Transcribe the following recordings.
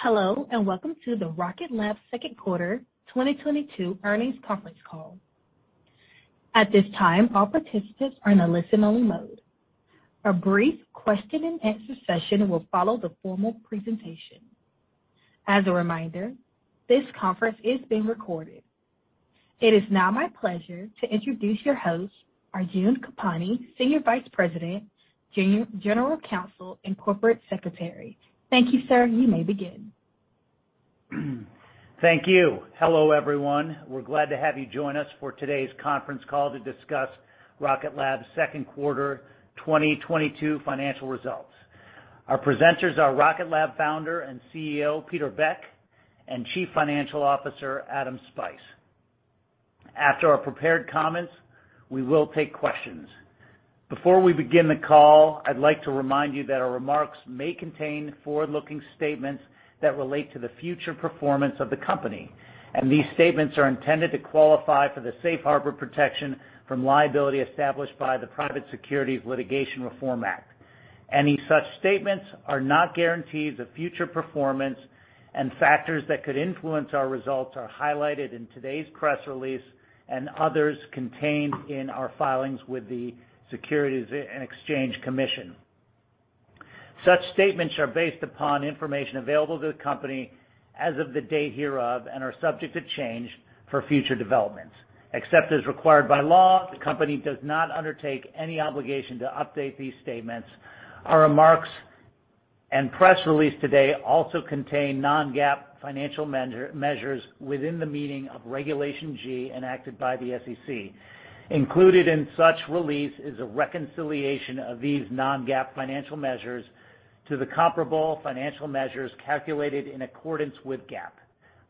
Hello, and welcome to the Rocket Lab Q2 2022 earnings conference call. At this time, all participants are in a listen-only mode. A brief question and answer session will follow the formal presentation. As a reminder, this conference is being recorded. It is now my pleasure to introduce your host, Arjun Kampani, Senior Vice President, General Counsel, and Corporate Secretary. Thank you, sir. You may begin. Thank you. Hello, everyone. We're glad to have you join us for today's conference call to discuss Rocket Lab's Q2 2022 financial results. Our presenters are Rocket Lab Founder and CEO, Peter Beck, and Chief Financial Officer, Adam Spice. After our prepared comments, we will take questions. Before we begin the call, I'd like to remind you that our remarks may contain forward-looking statements that relate to the future performance of the company. These statements are intended to qualify for the safe harbor protection from liability established by the Private Securities Litigation Reform Act. Any such statements are not guarantees of future performance, and factors that could influence our results are highlighted in today's press release and others contained in our filings with the Securities and Exchange Commission. Such statements are based upon information available to the company as of the date hereof and are subject to change for future developments. Except as required by law, the company does not undertake any obligation to update these statements. Our remarks and press release today also contain non-GAAP financial measures within the meaning of Regulation G enacted by the SEC. Included in such release is a reconciliation of these non-GAAP financial measures to the comparable financial measures calculated in accordance with GAAP.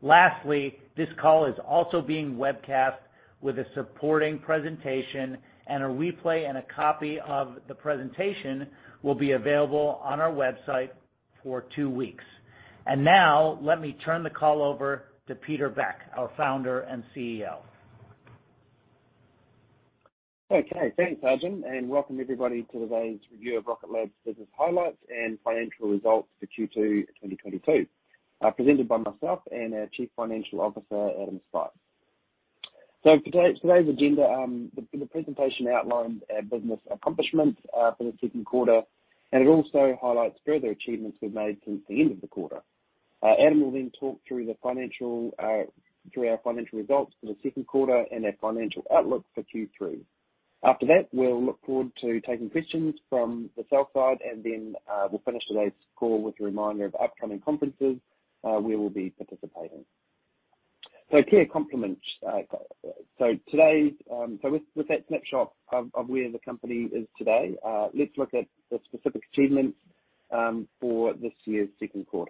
Lastly, this call is also being webcast with a supporting presentation, and a replay and a copy of the presentation will be available on our website for two weeks. Now, let me turn the call over to Peter Beck, our founder and CEO. Okay. Thanks, Arjun, and welcome everybody to today's review of Rocket Lab's business highlights and financial results for Q2 2022, presented by myself and our Chief Financial Officer, Adam Spice. Today's agenda, the presentation outlines our business accomplishments for the Q2, and it also highlights further achievements we've made since the end of the quarter. Adam will then talk through our financial results for the Q2 and our financial outlook for Q3. After that, we'll look forward to taking questions from the sell side, and then we'll finish today's call with a reminder of upcoming conferences we will be participating. With that snapshot of where the company is today, let's look at the specific achievements for this year's Q2.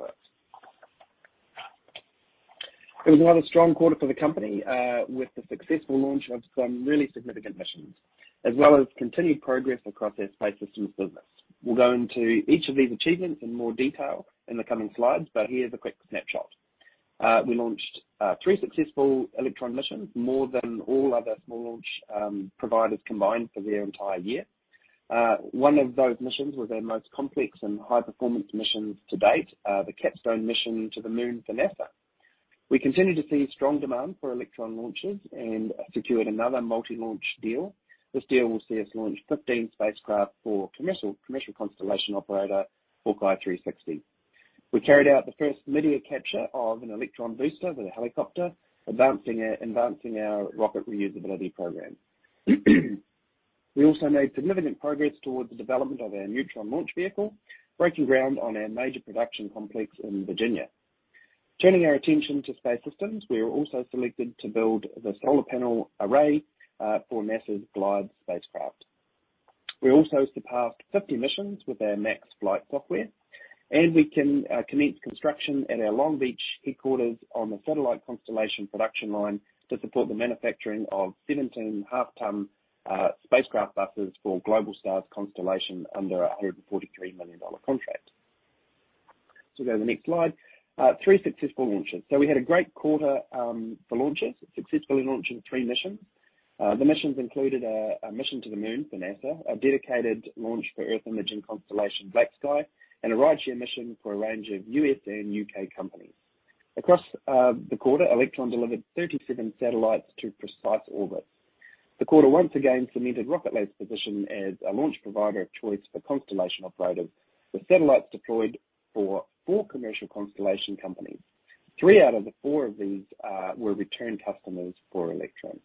It was another strong quarter for the company with the successful launch of some really significant missions, as well as continued progress across our Space Systems business. We'll go into each of these achievements in more detail in the coming slides, but here's a quick snapshot. We launched 3 successful Electron missions, more than all other small launch providers combined for their entire year. One of those missions was our most complex and high-performance missions to date, the CAPSTONE mission to the Moon for NASA. We continue to see strong demand for Electron launches and secured another multi-launch deal. This deal will see us launch 15 spacecraft for commercial constellation operator HawkEye 360. We carried out the first mid-air capture of an Electron booster with a helicopter, advancing our rocket reusability program. We also made significant progress towards the development of our Neutron launch vehicle, breaking ground on our major production complex in Virginia. Turning our attention to space systems, we were also selected to build the solar panel array for NASA's GLIDE spacecraft. We also surpassed 50 missions with our MAX flight software, and we can commence construction at our Long Beach headquarters on the satellite constellation production line to support the manufacturing of 17 half-ton spacecraft buses for Globalstar's constellation under a $143 million contract. Go to the next slide. Three successful launches. We had a great quarter for launches, successfully launching three missions. The missions included a mission to the Moon for NASA, a dedicated launch for Earth imaging constellation BlackSky, and a rideshare mission for a range of U.S. and U.K. companies. Across the quarter, Electron delivered 37 satellites to precise orbits. The quarter once again cemented Rocket Lab's position as a launch provider of choice for constellation operators, with satellites deployed for four commercial constellation companies. Three out of the four of these were return customers for Electron.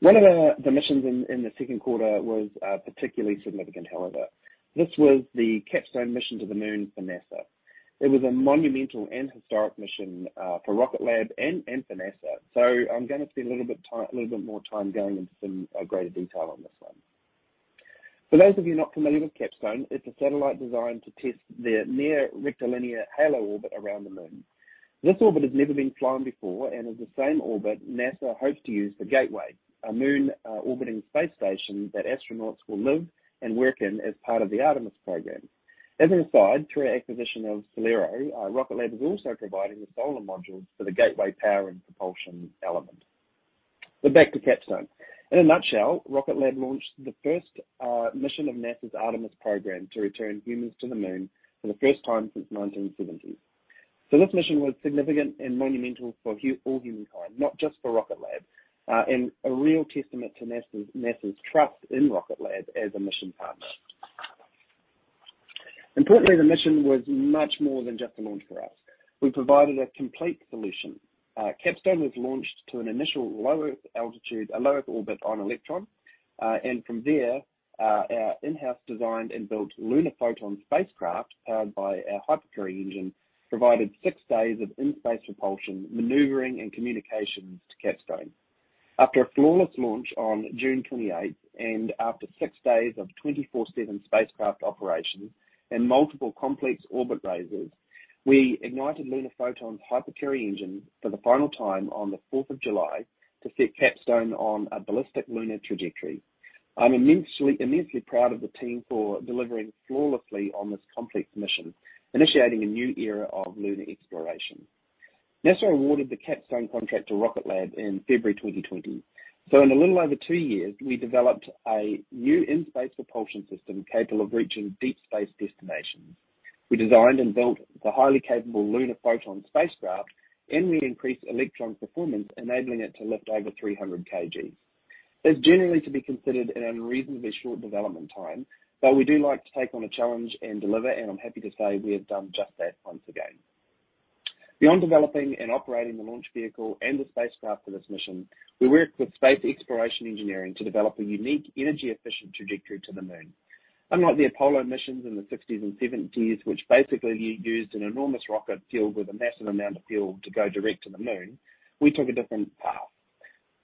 One of the missions in the Q2 was particularly significant however. This was the CAPSTONE mission to the Moon for NASA. It was a monumental and historic mission for Rocket Lab and for NASA. I'm going to spend a little bit more time going into some greater detail on this one. For those of you not familiar with CAPSTONE, it's a satellite designed to test the near-rectilinear halo orbit around the Moon. This orbit has never been flown before and is the same orbit NASA hopes to use for Gateway, a Moon orbiting space station that astronauts will live and work in as part of the Artemis program. As an aside, through our acquisition of SolAero, Rocket Lab is also providing the solar modules for the Gateway power and propulsion element. Back to CAPSTONE. In a nutshell, Rocket Lab launched the first mission of NASA's Artemis program to return humans to the Moon for the first time since 1970. This mission was significant and monumental for all humankind, not just for Rocket Lab, and a real testament to NASA's trust in Rocket Lab as a mission partner. Importantly, the mission was much more than just a launch for us. We provided a complete solution. CAPSTONE was launched to an initial low Earth altitude, a low Earth orbit on Electron. From there, our in-house designed and built Lunar Photon spacecraft, powered by our HyperCurie engine, provided six days of in-space propulsion, maneuvering, and communications to CAPSTONE. After a flawless launch on June 28th, and after six days of 24/7 spacecraft operations and multiple complex orbit raises, we ignited Lunar Photon's HyperCurie engine for the final time on July 4th to set CAPSTONE on a ballistic lunar trajectory. I'm immensely proud of the team for delivering flawlessly on this complex mission, initiating a new era of lunar exploration. NASA awarded the CAPSTONE contract to Rocket Lab in February 2020. In a little over two years, we developed a new in-space propulsion system capable of reaching deep space destinations. We designed and built the highly capable Lunar Photon spacecraft, and we increased Electron's performance, enabling it to lift over 300 kg. That's generally to be considered an unreasonably short development time, but we do like to take on a challenge and deliver, and I'm happy to say we have done just that once again. Beyond developing and operating the launch vehicle and the spacecraft for this mission, we worked with Space Exploration Engineering to develop a unique energy-efficient trajectory to the Moon. Unlike the Apollo missions in the 1960s and 1970s, which basically used an enormous rocket filled with a massive amount of fuel to go direct to the Moon, we took a different path.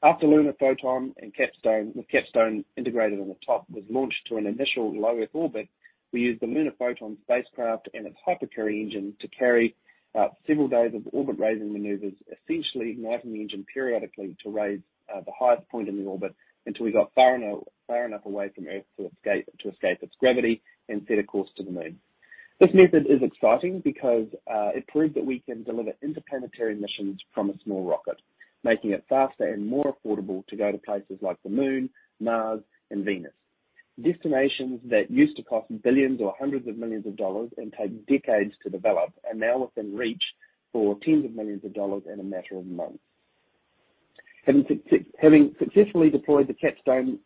After Lunar Photon and CAPSTONE, with CAPSTONE integrated on the top, was launched to an initial low Earth orbit, we used the Lunar Photon spacecraft and its HyperCurie engine to carry out several days of orbit-raising maneuvers, essentially igniting the engine periodically to raise the highest point in the orbit until we got far enough away from Earth to escape its gravity and set a course to the Moon. This method is exciting because it proved that we can deliver interplanetary missions from a small rocket, making it faster and more affordable to go to places like the Moon, Mars, and Venus. Destinations that used to cost billions or hundreds of millions of dollars and take decades to develop are now within reach for tens of millions of dollars in a matter of months. Having successfully deployed the CAPSTONE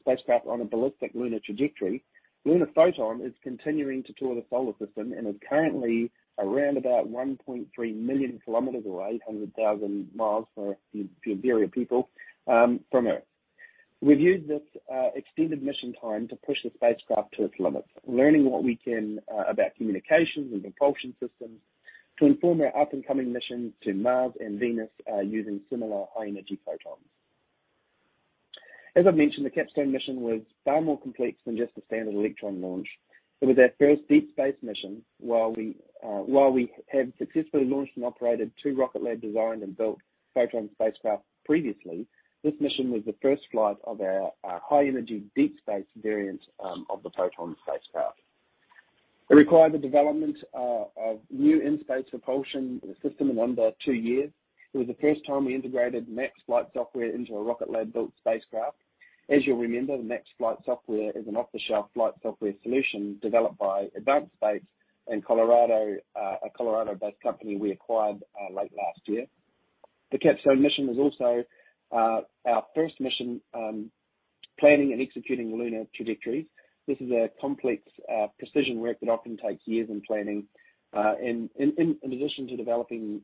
spacecraft on a ballistic lunar trajectory, Lunar Photon is continuing to tour the Solar System and is currently around about 1.3 million kilometers away, 100,000 miles for you imperial people from Earth. We've used this extended mission time to push the spacecraft to its limits, learning what we can about communications and propulsion systems to inform our up-and-coming missions to Mars and Venus using similar high-energy Photon. As I've mentioned, the CAPSTONE mission was far more complex than just a standard Electron launch. It was our first deep space mission. While we have successfully launched and operated two Rocket Lab designed and built Photon spacecraft previously, this mission was the first flight of our high-energy deep space variant of the Photon spacecraft. It required the development of new in-space propulsion system in under two years. It was the first time we integrated MAX flight software into a Rocket Lab-built spacecraft. As you'll remember, the MAX flight software is an off-the-shelf flight software solution developed by Advanced Space in Colorado, a Colorado-based company we acquired late last year. The CAPSTONE mission was also our first mission planning and executing lunar trajectories. This is a complex precision work that often takes years in planning. In addition to developing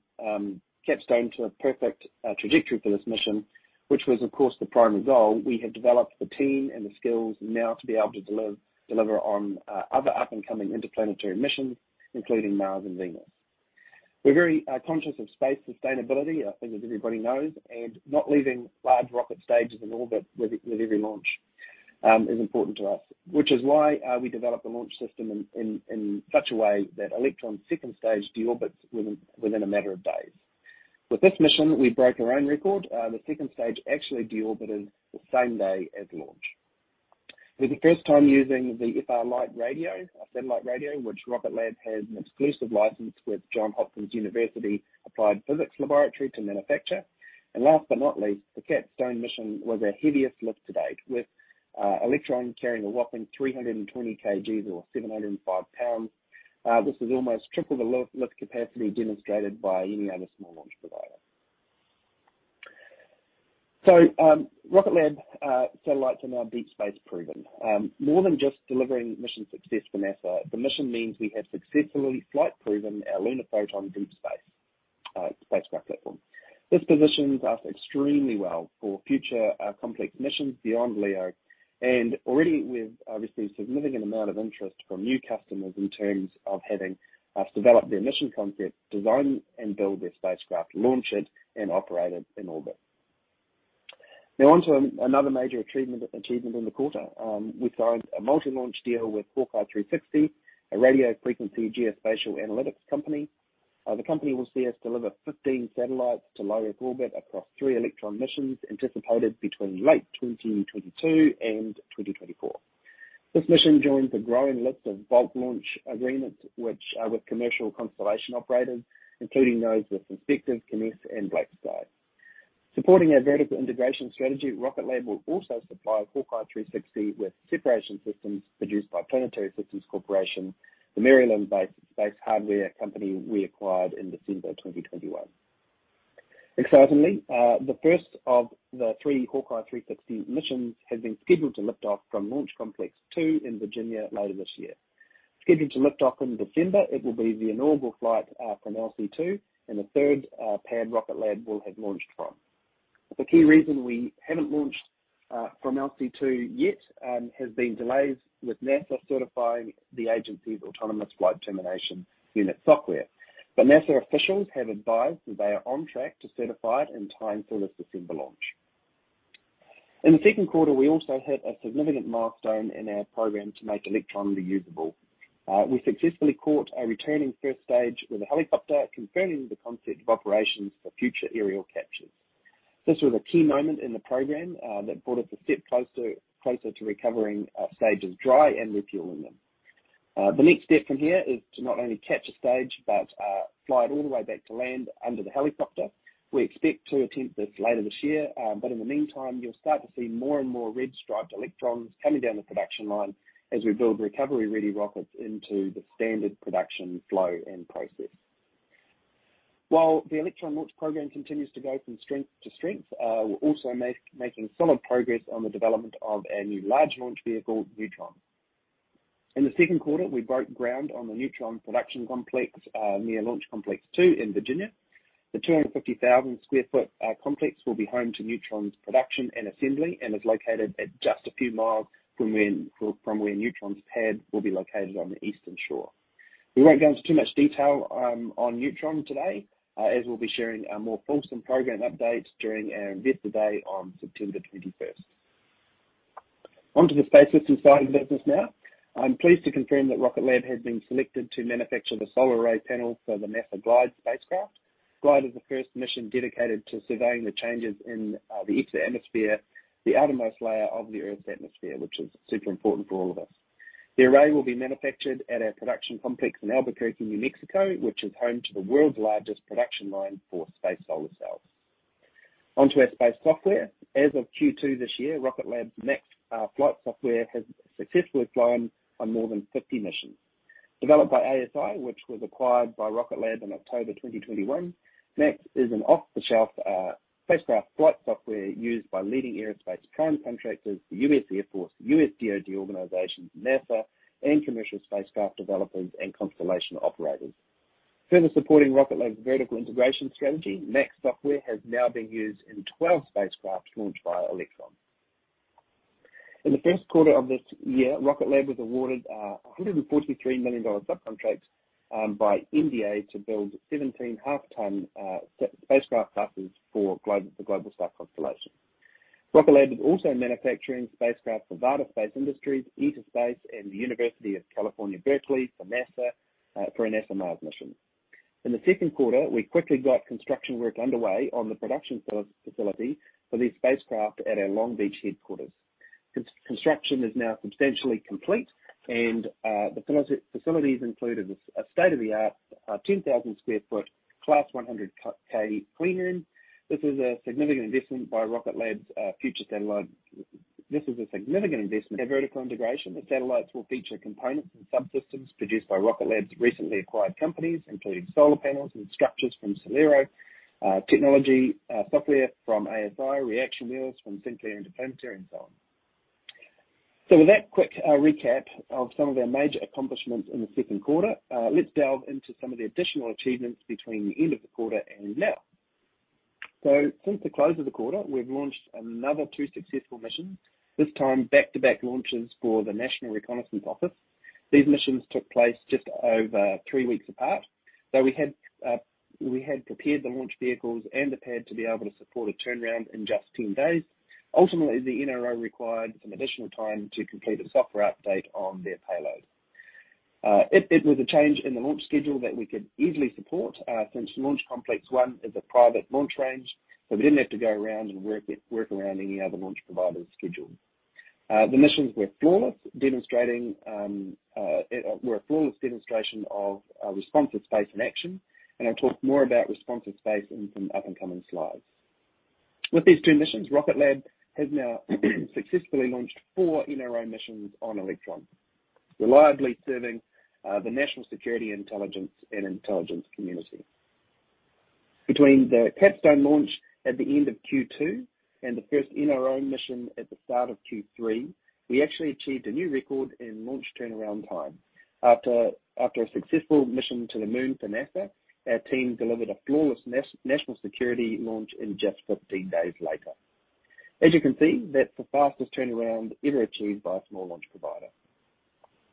CAPSTONE to a perfect trajectory for this mission, which was of course the primary goal, we have developed the team and the skills now to be able to deliver on other up-and-coming interplanetary missions, including Mars and Venus. We're very conscious of space sustainability, I think as everybody knows, and not leaving large rocket stages in orbit with every launch is important to us. Which is why we developed the launch system in such a way that Electron's second stage deorbits within a matter of days. With this mission, we broke our own record. The second stage actually deorbited the same day as launch. It was the first time using the Frontier-SDR Radio, our satellite radio, which Rocket Lab has an exclusive license with Johns Hopkins University Applied Physics Laboratory to manufacture. Last but not least, the CAPSTONE mission was our heaviest lift to date, with Electron carrying a whopping 320 kg or 705 pounds. This is almost triple the lift capacity demonstrated by any other small launch provider. Rocket Lab satellites are now deep space proven. More than just delivering mission success for NASA, the mission means we have successfully flight proven our Lunar Photon deep space spacecraft platform. This positions us extremely well for future complex missions beyond LEO, and already we've received significant amount of interest from new customers in terms of having us develop their mission concept, design and build their spacecraft, launch it, and operate it in orbit. Now on to another major achievement in the quarter. We signed a multi-launch deal with HawkEye 360, a radio frequency geospatial analytics company. The company will see us deliver 15 satellites to low Earth orbit across 3 Electron missions anticipated between late 2022 and 2024. This mission joins a growing list of bulk launch agreements with commercial constellation operators, including those with Inspektor, Kinéis, and BlackSky. Supporting our vertical integration strategy, Rocket Lab will also supply HawkEye 360 with separation systems produced by Planetary Systems Corporation, the Maryland-based space hardware company we acquired in December 2021. Excitingly, the first of the 3 HawkEye 360 missions has been scheduled to lift off from Launch Complex 2 in Virginia later this year. Scheduled to lift off in December, it will be the inaugural flight from LC2 and the third pad Rocket Lab will have launched from. The key reason we haven't launched from LC2 yet has been delays with NASA certifying the agency's autonomous flight termination unit software. NASA officials have advised that they are on track to certify it in time for this December launch. In the Q2, we also hit a significant milestone in our program to make Electron reusable. We successfully caught a returning first stage with a helicopter, confirming the concept of operations for future aerial captures. This was a key moment in the program that brought us a step closer to recovering stages dry and refueling them. The next step from here is to not only catch a stage but fly it all the way back to land under the helicopter. We expect to attempt this later this year, but in the meantime, you'll start to see more and more red-striped Electrons coming down the production line as we build recovery-ready rockets into the standard production flow and process. While the Electron launch program continues to go from strength to strength, we're also making solid progress on the development of our new large launch vehicle, Neutron. In the Q2, we broke ground on the Neutron production complex near Launch Complex Two in Virginia. The 250,000 sq ft complex will be home to Neutron's production and assembly and is located at just a few miles from where Neutron's pad will be located on the eastern shore. We won't go into too much detail on Neutron today, as we'll be sharing a more fulsome program update during our Investor Day on September 21. Onto the space systems side of the business now. I'm pleased to confirm that Rocket Lab has been selected to manufacture the solar array panel for the NASA GLIDE spacecraft. GLIDE is the first mission dedicated to surveying the changes in the exosphere, the outermost layer of the Earth's atmosphere, which is super important for all of us. The array will be manufactured at our production complex in Albuquerque, New Mexico, which is home to the world's largest production line for space solar cells. Onto our space software. As of Q2 this year, Rocket Lab's MAX flight software has successfully flown on more than 50 missions. Developed by ASI, which was acquired by Rocket Lab in October 2021, MAX is an off-the-shelf spacecraft flight software used by leading aerospace prime contractors, the U.S. Air Force, U.S. DOD organizations, NASA, and commercial spacecraft developers and constellation operators. Further supporting Rocket Lab's vertical integration strategy, MAX software has now been used in 12 spacecraft launched via Electron. In the Q1 of this year, Rocket Lab was awarded a $143 million subcontract by MDA to build 17 half-ton spacecraft classes for the Globalstar constellation. Rocket Lab is also manufacturing spacecraft for Varda Space Industries, In-Space Missions, and the University of California, Berkeley, for NASA, for a NASA Mars mission. In the Q2, we quickly got construction work underway on the production facility for these spacecraft at our Long Beach headquarters. Construction is now substantially complete, and the facilities include a state-of-the-art 10,000 sq ft class 100 clean room. This is a significant investment in vertical integration. The satellites will feature components and subsystems produced by Rocket Lab's recently acquired companies, including solar panels and structures from SolAero Technology, software from ASI, reaction wheels from Sinclair Interplanetary and so on. With that quick recap of some of our major accomplishments in the Q2, let's delve into some of the additional achievements between the end of the quarter and now. Since the close of the quarter, we've launched another two successful missions, this time back-to-back launches for the National Reconnaissance Office. These missions took place just over three weeks apart, so we had prepared the launch vehicles and the pad to be able to support a turnaround in just 10 days. Ultimately, the NRO required some additional time to complete a software update on their payload. It was a change in the launch schedule that we could easily support, since Launch Complex One is a private launch range, so we didn't have to go around and work around any other launch provider's schedule. The missions were flawless, a flawless demonstration of responsive space in action, and I'll talk more about responsive space in some up and coming slides. With these two missions, Rocket Lab has now successfully launched four NRO missions on Electron, reliably serving the national security and intelligence community. Between the CAPSTONE launch at the end of Q2 and the first NRO mission at the start of Q3, we actually achieved a new record in launch turnaround time. After a successful mission to the Moon for NASA, our team delivered a flawless national security launch in just 15 days later. As you can see, that's the fastest turnaround ever achieved by a small launch provider.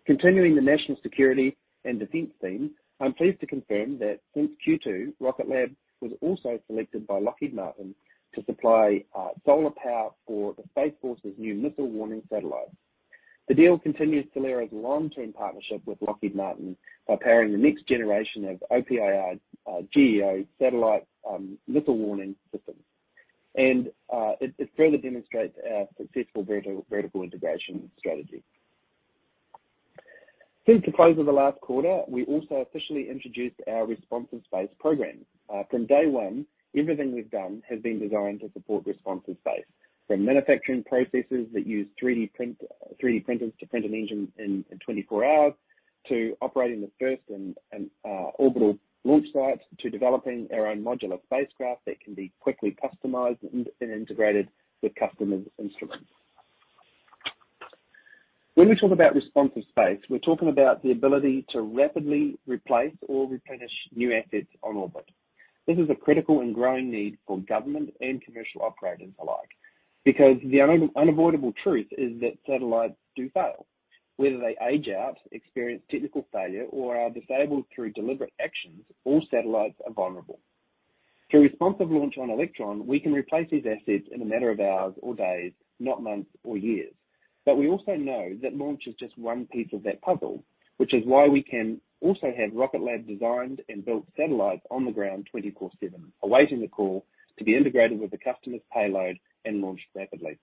Continuing the national security and defense theme, I'm pleased to confirm that since Q2, Rocket Lab was also selected by Lockheed Martin to supply solar power for the Space Force's new missile warning satellite. The deal continues SolAero's long-term partnership with Lockheed Martin by powering the next generation of OPIR GEO satellite missile warning system. It further demonstrates our successful vertical integration strategy. Since the close of the last quarter, we also officially introduced our responsive space program. From day one, everything we've done has been designed to support responsive space. From manufacturing processes that use 3D printers to print an engine in 24 hours, to operating the first orbital launch sites, to developing our own modular spacecraft that can be quickly customized and integrated with customers' instruments. When we talk about responsive space, we're talking about the ability to rapidly replace or replenish new assets on orbit. This is a critical and growing need for government and commercial operators alike, because the unavoidable truth is that satellites do fail. Whether they age out, experience technical failure, or are disabled through deliberate actions, all satellites are vulnerable. Through responsive launch on Electron, we can replace these assets in a matter of hours or days, not months or years. We also know that launch is just one piece of that puzzle, which is why we can also have Rocket Lab designed and built satellites on the ground 24/7, awaiting the call to be integrated with the customer's payload and launched rapidly.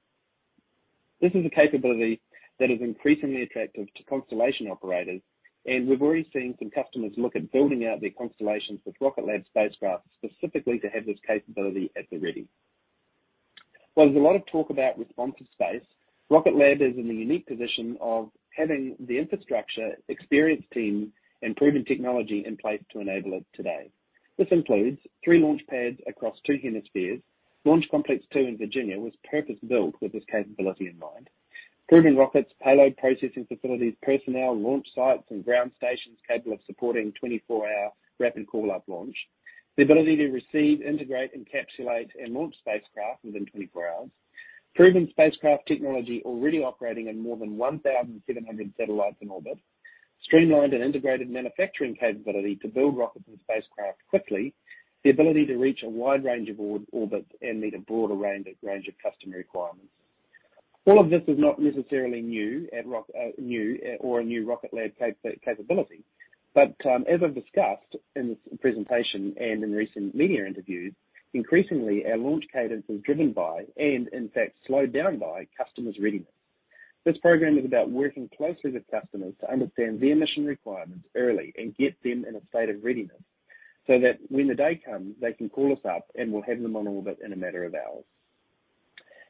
This is a capability that is increasingly attractive to constellation operators, and we've already seen some customers look at building out their constellations with Rocket Lab spacecraft specifically to have this capability at the ready. While there's a lot of talk about responsive space, Rocket Lab is in the unique position of having the infrastructure, experienced team, and proven technology in place to enable it today. This includes three launch pads across two hemispheres. Launch Complex 2 in Virginia was purpose-built with this capability in mind. Proven rockets, payload processing facilities, personnel, launch sites, and ground stations capable of supporting 24-hour rapid call-up launch. The ability to receive, integrate, encapsulate, and launch spacecraft within 24 hours. Proven spacecraft technology already operating in more than 1,700 satellites in orbit. Streamlined and integrated manufacturing capability to build rockets and spacecraft quickly. The ability to reach a wide range of orbits and meet a broader range of customer requirements. All of this is not necessarily new at Rocket Lab or a new Rocket Lab capability. As I've discussed in this presentation and in recent media interviews, increasingly, our launch cadence is driven by and, in fact, slowed down by customers' readiness. This program is about working closely with customers to understand their mission requirements early and get them in a state of readiness so that when the day comes, they can call us up, and we'll have them on orbit in a matter of hours.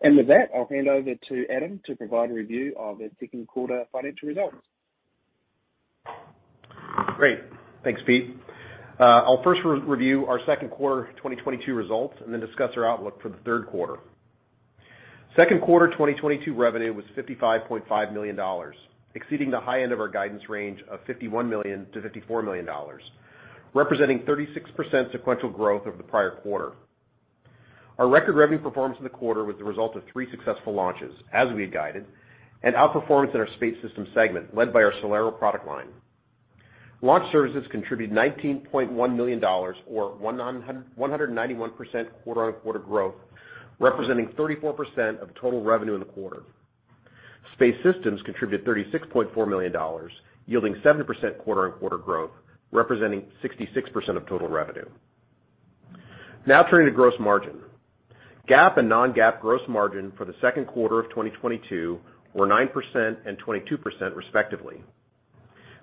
With that, I'll hand over to Adam to provide a review of our Q2 financial results. Great. Thanks, Pete. I'll first re-review our Q2 2022 results and then discuss our outlook for the Q3. Q2 2022 revenue was $55.5 million, exceeding the high end of our guidance range of $51 million-$54 million, representing 36% sequential growth over the prior quarter. Our record revenue performance in the quarter was the result of three successful launches, as we had guided, and outperformance in our Space Systems segment led by our SolAero product line. Launch Services contributed $19.1 million or 191% quarter-on-quarter growth, representing 34% of total revenue in the quarter. Space Systems contributed $36.4 million, yielding 7% quarter-on-quarter growth, representing 66% of total revenue. Now turning to gross margin. GAAP and non-GAAP gross margin for the Q2 of 2022 were 9% and 22% respectively.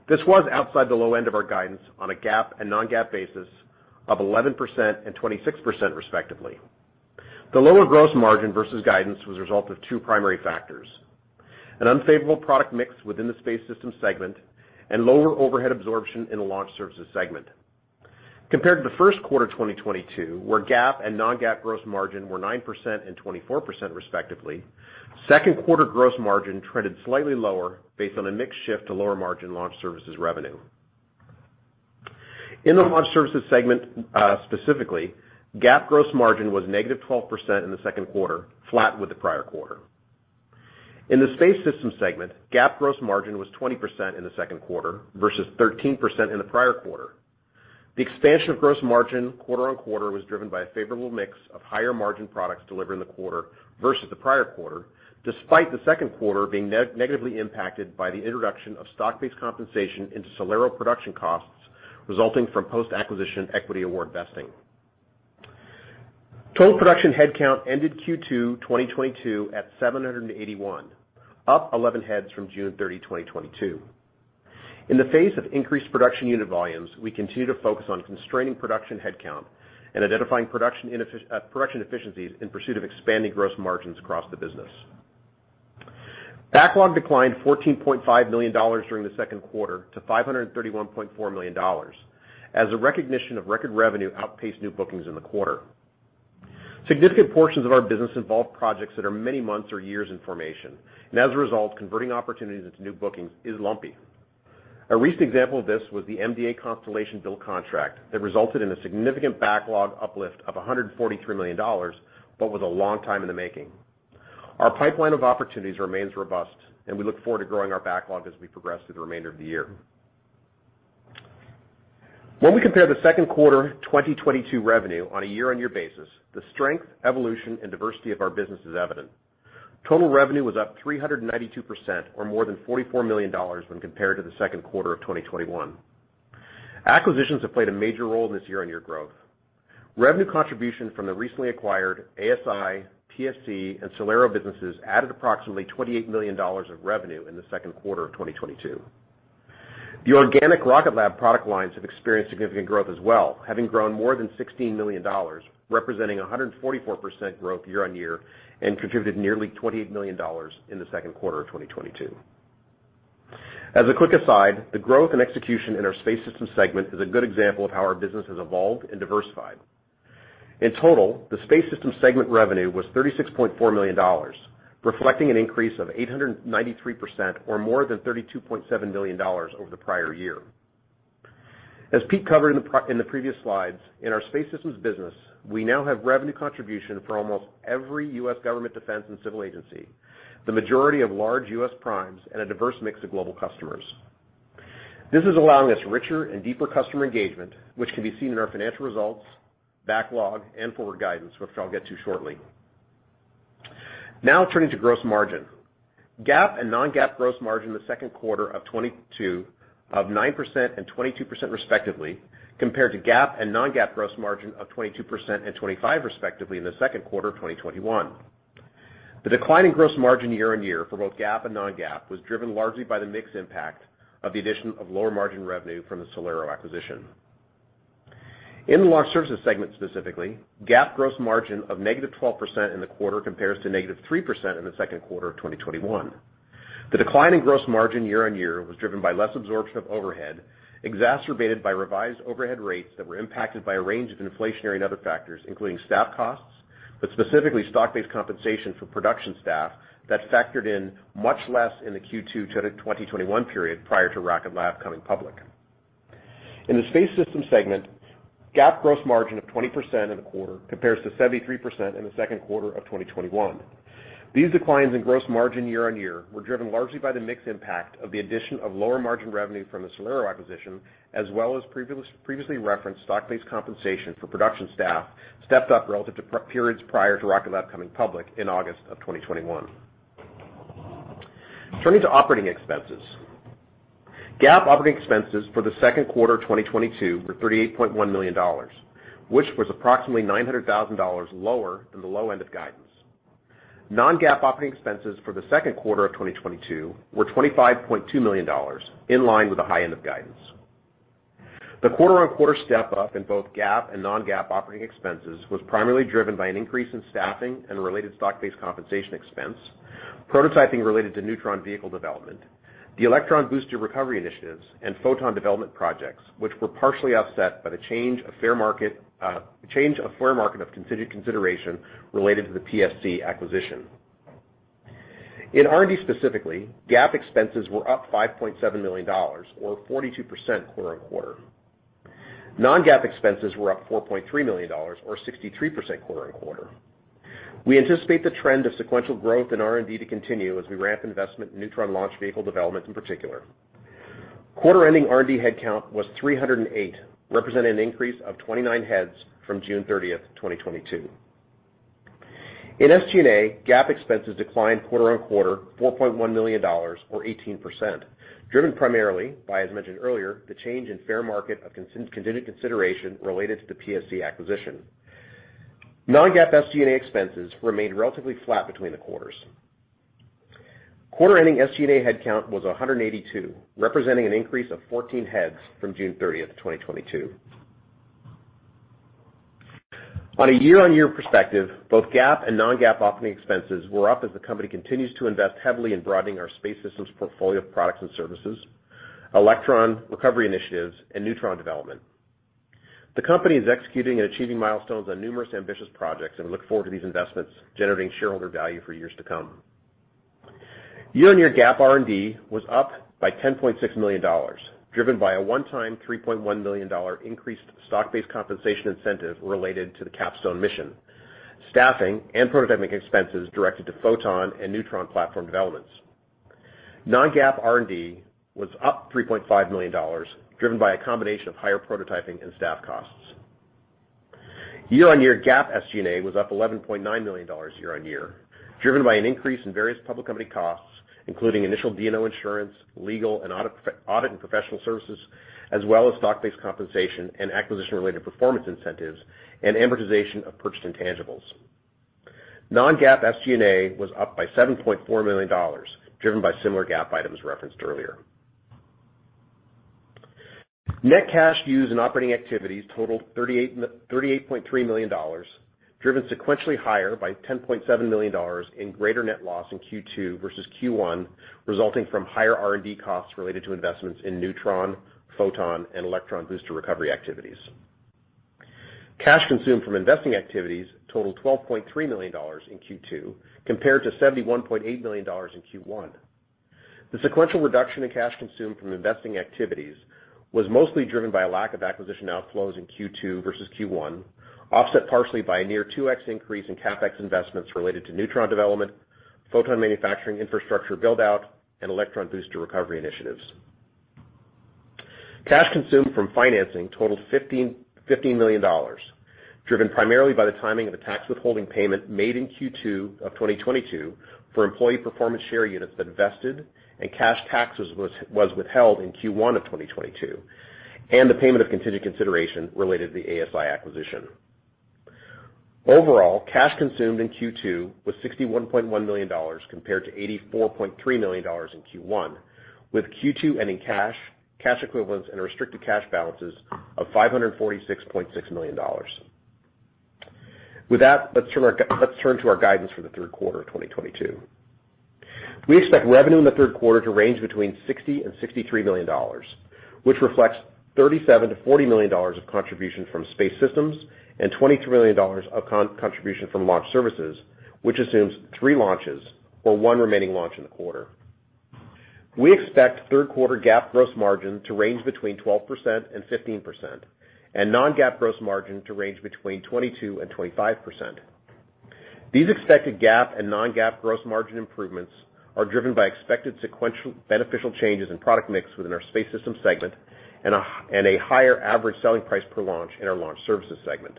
This was outside the low end of our guidance on a GAAP and non-GAAP basis of 11% and 26% respectively. The lower gross margin versus guidance was a result of two primary factors, an unfavorable product mix within the Space Systems segment and lower overhead absorption in the Launch Services segment. Compared to the Q1 2022, where GAAP and non-GAAP gross margin were 9% and 24% respectively, Q2 gross margin trended slightly lower based on a mix shift to lower margin Launch Services revenue. In the Launch Services segment, specifically, GAAP gross margin was negative 12% in the Q2, flat with the prior quarter. In the Space Systems segment, GAAP gross margin was 20% in the Q2 versus 13% in the prior quarter. The expansion of gross margin quarter-over-quarter was driven by a favorable mix of higher margin products delivered in the quarter versus the prior quarter, despite the Q2 being negatively impacted by the introduction of stock-based compensation into SolAero production costs resulting from post-acquisition equity award vesting. Total production headcount ended Q2 2022 at 781, up 11 heads from June 30, 2022. In the face of increased production unit volumes, we continue to focus on constraining production headcount and identifying production efficiencies in pursuit of expanding gross margins across the business. Backlog declined $14.5 million during the Q2 to $531.4 million as a recognition of record revenue outpaced new bookings in the quarter. Significant portions of our business involve projects that are many months or years in formation, and as a result, converting opportunities into new bookings is lumpy. A recent example of this was the MDA Constellation build contract that resulted in a significant backlog uplift of $143 million, but was a long time in the making. Our pipeline of opportunities remains robust and we look forward to growing our backlog as we progress through the remainder of the year. When we compare the Q2 2022 revenue on a year-on-year basis, the strength, evolution, and diversity of our business is evident. Total revenue was up 392% or more than $44 million when compared to the Q2 of 2021. Acquisitions have played a major role in this year-on-year growth. Revenue contribution from the recently acquired ASI, TSC, and SolAero businesses added approximately $28 million of revenue in the Q2 of 2022. The organic Rocket Lab product lines have experienced significant growth as well, having grown more than $16 million, representing a 144% growth year on year, and contributed nearly $28 million in the Q2 of 2022. As a quick aside, the growth and execution in our Space Systems segment is a good example of how our business has evolved and diversified. In total, the Space Systems segment revenue was $36.4 million, reflecting an increase of 893% or more than $32.7 million over the prior year. As Pete covered in the previous slides, in our Space Systems business, we now have revenue contribution for almost every U.S. government defense and civil agency, the majority of large U.S. primes, and a diverse mix of global customers. This is allowing us richer and deeper customer engagement, which can be seen in our financial results, backlog, and forward guidance, which I'll get to shortly. Now turning to gross margin. GAAP and non-GAAP gross margin in the Q2 of 2022 of 9% and 22% respectively, compared to GAAP and non-GAAP gross margin of 22% and 25% respectively in the Q2 of 2021. The decline in gross margin year-on-year for both GAAP and non-GAAP was driven largely by the mix impact of the addition of lower margin revenue from the SolAero acquisition. In the Launch Services segment, specifically, GAAP gross margin of negative 12% in the quarter compares to negative 3% in the Q2 of 2021. The decline in gross margin year-on-year was driven by less absorption of overhead, exacerbated by revised overhead rates that were impacted by a range of inflationary and other factors, including staff costs, but specifically stock-based compensation for production staff that factored in much less in the Q2 2021 period prior to Rocket Lab coming public. In the Space Systems segment, GAAP gross margin of 20% in the quarter compares to 73% in the Q2 of 2021. These declines in gross margin year-on-year were driven largely by the mix impact of the addition of lower margin revenue from the SolAero acquisition, as well as previous, previously referenced stock-based compensation for production staff, stepped up relative to periods prior to Rocket Lab coming public in August 2021. Turning to operating expenses. GAAP operating expenses for the Q2 of 2022 were $38.1 million, which was approximately $900,000 lower than the low end of guidance. Non-GAAP operating expenses for the Q2 of 2022 were $25.2 million, in line with the high end of guidance. The quarter-over-quarter step up in both GAAP and non-GAAP operating expenses was primarily driven by an increase in staffing and related stock-based compensation expense, prototyping related to Neutron vehicle development, the Electron booster recovery initiatives, and Photon development projects, which were partially offset by the change in fair value of contingent consideration related to the PSC acquisition. In R&D specifically, GAAP expenses were up $5.7 million or 42% quarter-over-quarter. Non-GAAP expenses were up $4.3 million or 63% quarter-over-quarter. We anticipate the trend of sequential growth in R&D to continue as we ramp investment in Neutron launch vehicle development in particular. Quarter ending R&D headcount was 308, representing an increase of 29 heads from June thirtieth, 2022. In SG&A, GAAP expenses declined quarter-over-quarter, $4.1 million or 18%, driven primarily by, as mentioned earlier, the change in fair market value of consideration related to the PSC acquisition. Non-GAAP SG&A expenses remained relatively flat between the quarters. Quarter ending SG&A headcount was 182, representing an increase of 14 heads from June 30, 2022. On a year-on-year perspective, both GAAP and non-GAAP operating expenses were up as the company continues to invest heavily in broadening our Space Systems portfolio of products and services, Electron recovery initiatives, and Neutron development. The company is executing and achieving milestones on numerous ambitious projects, and we look forward to these investments generating shareholder value for years to come. Year-over-year GAAP R&D was up by $10.6 million, driven by a one-time $3.1 million increased stock-based compensation incentive related to the CAPSTONE mission, staffing and prototyping expenses directed to Photon and Neutron platform developments. Non-GAAP R&D was up $3.5 million, driven by a combination of higher prototyping and staff costs. Year-over-year GAAP SG&A was up $11.9 million, driven by an increase in various public company costs, including initial D&O insurance, legal and audit and professional services, as well as stock-based compensation and acquisition-related performance incentives and amortization of purchased intangibles. Non-GAAP SG&A was up by $7.4 million, driven by similar GAAP items referenced earlier. Net cash used in operating activities totaled $38.3 million, driven sequentially higher by $10.7 million in greater net loss in Q2 versus Q1, resulting from higher R&D costs related to investments in Neutron, Photon, and Electron booster recovery activities. Cash consumed from investing activities totaled $12.3 million in Q2 compared to $71.8 million in Q1. The sequential reduction in cash consumed from investing activities was mostly driven by a lack of acquisition outflows in Q2 versus Q1, offset partially by a near 2x increase in CapEx investments related to Neutron development, Photon manufacturing infrastructure build-out, and Electron booster recovery initiatives. Cash consumed from financing totaled $15 million. Driven primarily by the timing of the tax withholding payment made in Q2 of 2022 for employee performance share units that vested and cash taxes was withheld in Q1 of 2022, and the payment of contingent consideration related to the ASI acquisition. Overall, cash consumed in Q2 was $61.1 million compared to $84.3 million in Q1, with Q2 ending cash equivalents and restricted cash balances of $546.6 million. With that, let's turn to our guidance for the Q3 of 2022. We expect revenue in the Q3 to range between $60 million and $63 million, which reflects $37 million-$40 million of contribution from Space Systems and $23 million of contribution from Launch Services, which assumes three launches or one remaining launch in the quarter. We expect Q3 GAAP gross margin to range between 12% and 15% and non-GAAP gross margin to range between 22% and 25%. These expected GAAP and non-GAAP gross margin improvements are driven by expected sequential beneficial changes in product mix within our Space Systems segment and a higher average selling price per launch in our Launch Services segment.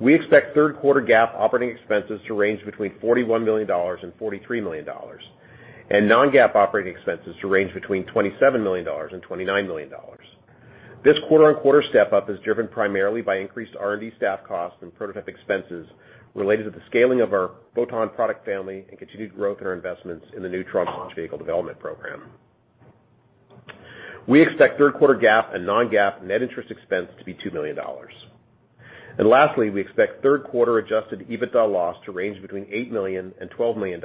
We expect Q3 GAAP operating expenses to range between $41 million and $43 million and non-GAAP operating expenses to range between $27 million and $29 million. This quarter-on-quarter step up is driven primarily by increased R&D staff costs and prototype expenses related to the scaling of our Photon product family and continued growth in our investments in the new Neutron launch vehicle development program. We expect Q3 GAAP and non-GAAP net interest expense to be $2 million. Lastly, we expect Q3 adjusted EBITDA loss to range between $8 million and $12 million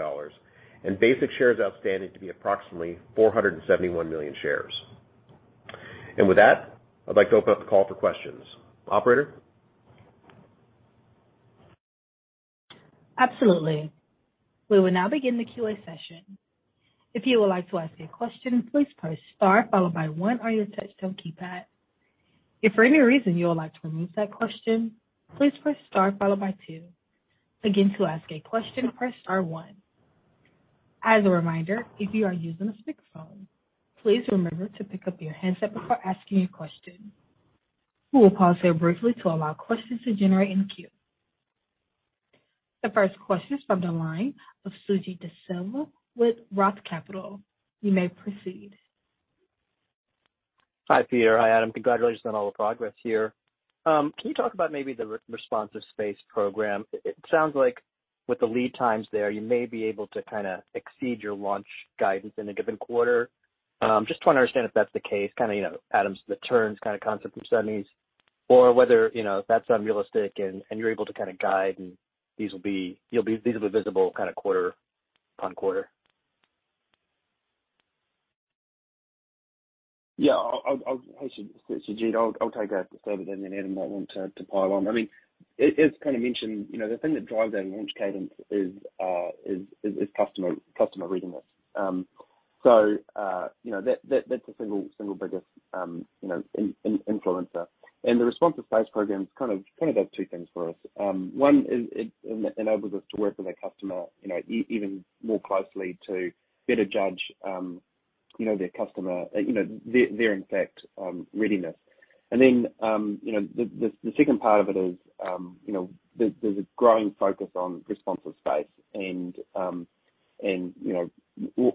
and basic shares outstanding to be approximately 471 million shares. With that, I'd like to open up the call for questions. Operator? Absolutely. We will now begin the QA session. If you would like to ask a question, please press Star followed by One on your touchtone keypad. If for any reason you would like to remove that question, please press Star followed by Two. Again, to ask a question, press Star One. As a reminder, if you are using a speakerphone, please remember to pick up your handset before asking a question. We will pause here briefly to allow questions to generate in the queue. The first question is from the line of Suji Desilva with Roth Capital. You may proceed. Hi, Peter. Hi, Adam. Congratulations on all the progress here. Can you talk about maybe the responsive space program? It sounds like with the lead times there, you may be able to kinda exceed your launch guidance in a given quarter. Just want to understand if that's the case, kinda, you know, Adam's the turns kinda concept from seventies or whether, you know, that's unrealistic and you're able to kinda guide and these will be visible kinda quarter upon quarter. Yeah. I'll take that to start and then Adam might want to pile on. I mean, it is kinda mentioned, you know, the thing that drives our launch cadence is customer readiness. That's the single biggest influencer. The Responsive Space program kind of does two things for us. One is it enables us to work with a customer even more closely to better judge their customer's, in fact, readiness. The second part of it is, you know, there's a growing focus on responsive space and, you know,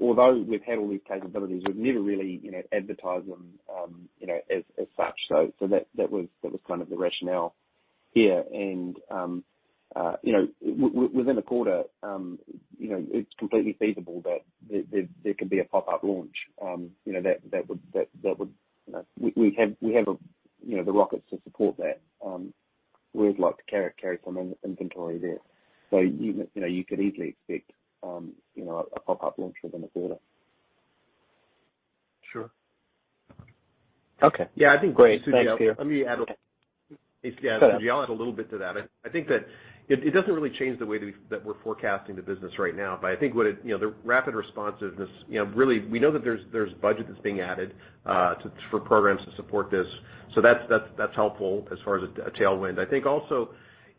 although we've had all these capabilities, we've never really, you know, advertised them, you know, as such. So that was kind of the rationale here. Within a quarter, you know, it's completely feasible that there could be a pop-up launch, you know, that would. We have the rockets to support that. We always like to carry some inventory there. So you know, you could easily expect, you know, a pop-up launch within the quarter. Sure. Okay. Yeah, I think. Great. Thanks, Peter. Let me add a- Go ahead. Yeah. Suji, I'll add a little bit to that. I think that it doesn't really change the way that we're forecasting the business right now. I think what it, you know, the rapid responsiveness, you know, really we know that there's budget that's being added to, for programs to support this. That's helpful as far as a tailwind. I think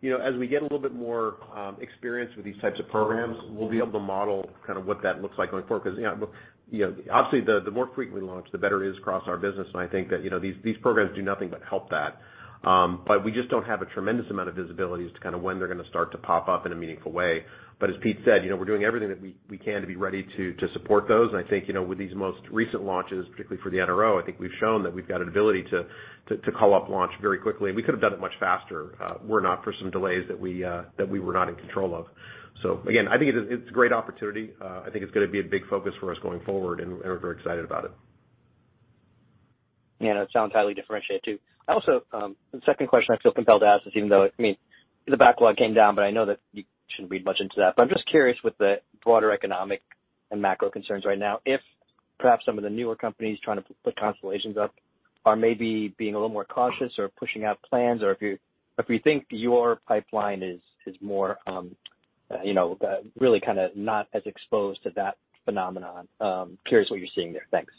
also, you know, as we get a little bit more experience with these types of programs, we'll be able to model kind of what that looks like going forward. 'Cause, you know, you know, obviously the more frequent we launch, the better it is across our business. I think that, you know, these programs do nothing but help that. We just don't have a tremendous amount of visibility as to kind of when they're going to start to pop up in a meaningful way. As Pete said, you know, we're doing everything that we can to be ready to support those. I think, you know, with these most recent launches, particularly for the NRO, I think we've shown that we've got an ability to call up launch very quickly, and we could have done it much faster, were it not for some delays that we were not in control of. Again, I think it's a great opportunity. I think it's going to be a big focus for us going forward, and we're very excited about it. Yeah. No, it sounds highly differentiated too. I also, the second question I feel compelled to ask is even though, I mean, the backlog came down, but I know that you shouldn't read much into that, but I'm just curious with the broader economic and macro concerns right now, if perhaps some of the newer companies trying to put constellations up are maybe being a little more cautious or pushing out plans or if you're, if you think your pipeline is more, you know, really kinda not as exposed to that phenomenon. Curious what you're seeing there. Thanks.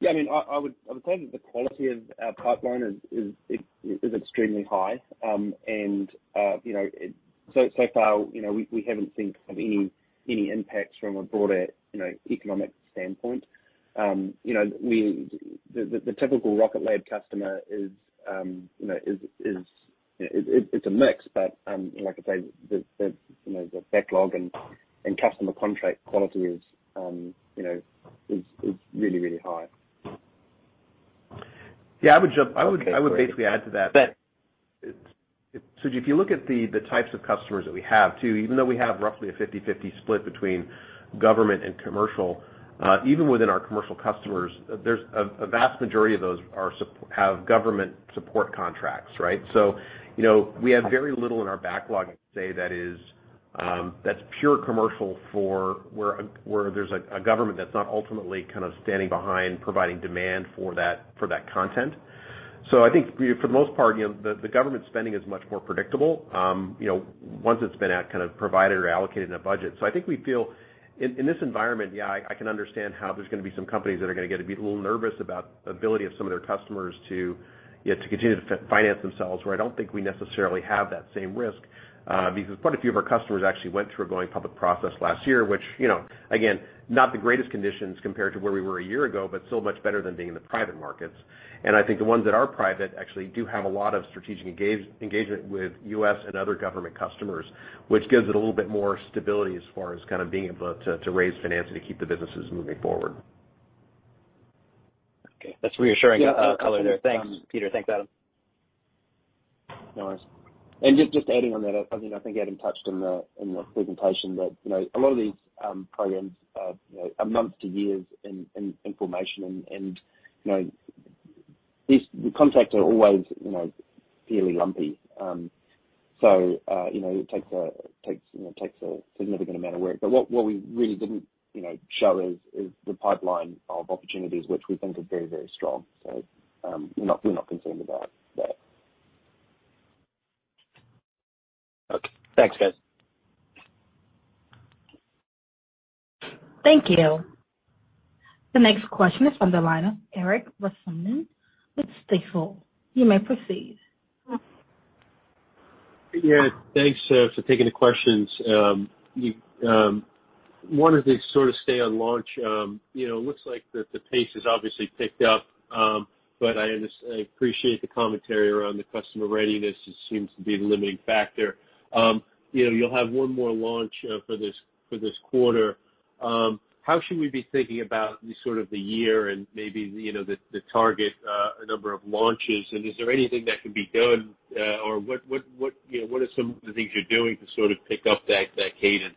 Yeah, I mean, I would say that the quality of our pipeline is extremely high. You know, so far, you know, we haven't seen kind of any impacts from a broader, you know, economic standpoint. You know, the typical Rocket Lab customer is a mix, but like I say, the backlog and customer contract quality is really high. Yeah, I would basically add to that. Bet. Suji Desilva, if you look at the types of customers that we have too, even though we have roughly a 50/50 split between government and commercial, even within our commercial customers, there's a vast majority of those have government support contracts, right? You know, we have very little in our backlog, I'd say, that is, that's pure commercial for where there's a government that's not ultimately kind of standing behind providing demand for that, for that content. I think for the most part, you know, the government spending is much more predictable, you know, once it's been at kind of provided or allocated in a budget. I think we feel in this environment, yeah, I can understand how there's going to be some companies that are going to get a little nervous about ability of some of their customers to continue to finance themselves, where I don't think we necessarily have that same risk, because quite a few of our customers actually went through a going public process last year. Which, you know, again, not the greatest conditions compared to where we were a year ago, but still much better than being in the private markets. I think the ones that are private actually do have a lot of strategic engagement with U.S. and other government customers, which gives it a little bit more stability as far as kind of being able to raise financing to keep the businesses moving forward. Okay. That's reassuring, color there. Thanks, Peter. Thanks, Adam. No worries. Just adding on that, I mean, I think Adam touched on that in the presentation that, you know, a lot of these programs are, you know, months to years in formation. You know, these contracts are always, you know, fairly lumpy. You know, it takes a significant amount of work. But what we really didn't, you know, show is the pipeline of opportunities, which we think is very, very strong. We're not concerned about that. Okay. Thanks, guys. Thank you. The next question is from the line of Erik Rasmussen with Stifel. You may proceed. Yeah. Thanks for taking the questions. You wanted to sort of stay on launch. You know, it looks like the pace has obviously picked up. I appreciate the commentary around the customer readiness. It seems to be the limiting factor. You know, you'll have one more launch for this quarter. How should we be thinking about the sort of the year and maybe you know the target number of launches? And is there anything that can be done? Or what you know what are some of the things you're doing to sort of pick up that cadence?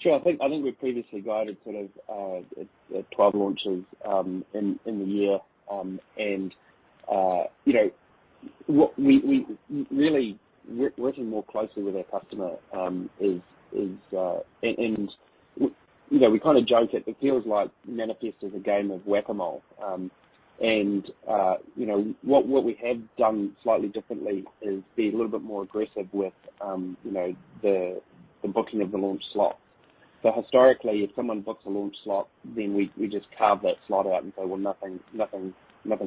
Sure. I think we previously guided sort of 12 launches in the year. You know, what we're really working more closely with our customer is, and you know, we kind of joke that it feels like manifest is a game of Whac-A-Mole. You know, what we have done slightly differently is be a little bit more aggressive with you know, the booking of the launch slot. Historically, if someone books a launch slot, then we just carve that slot out and say, "Well, nothing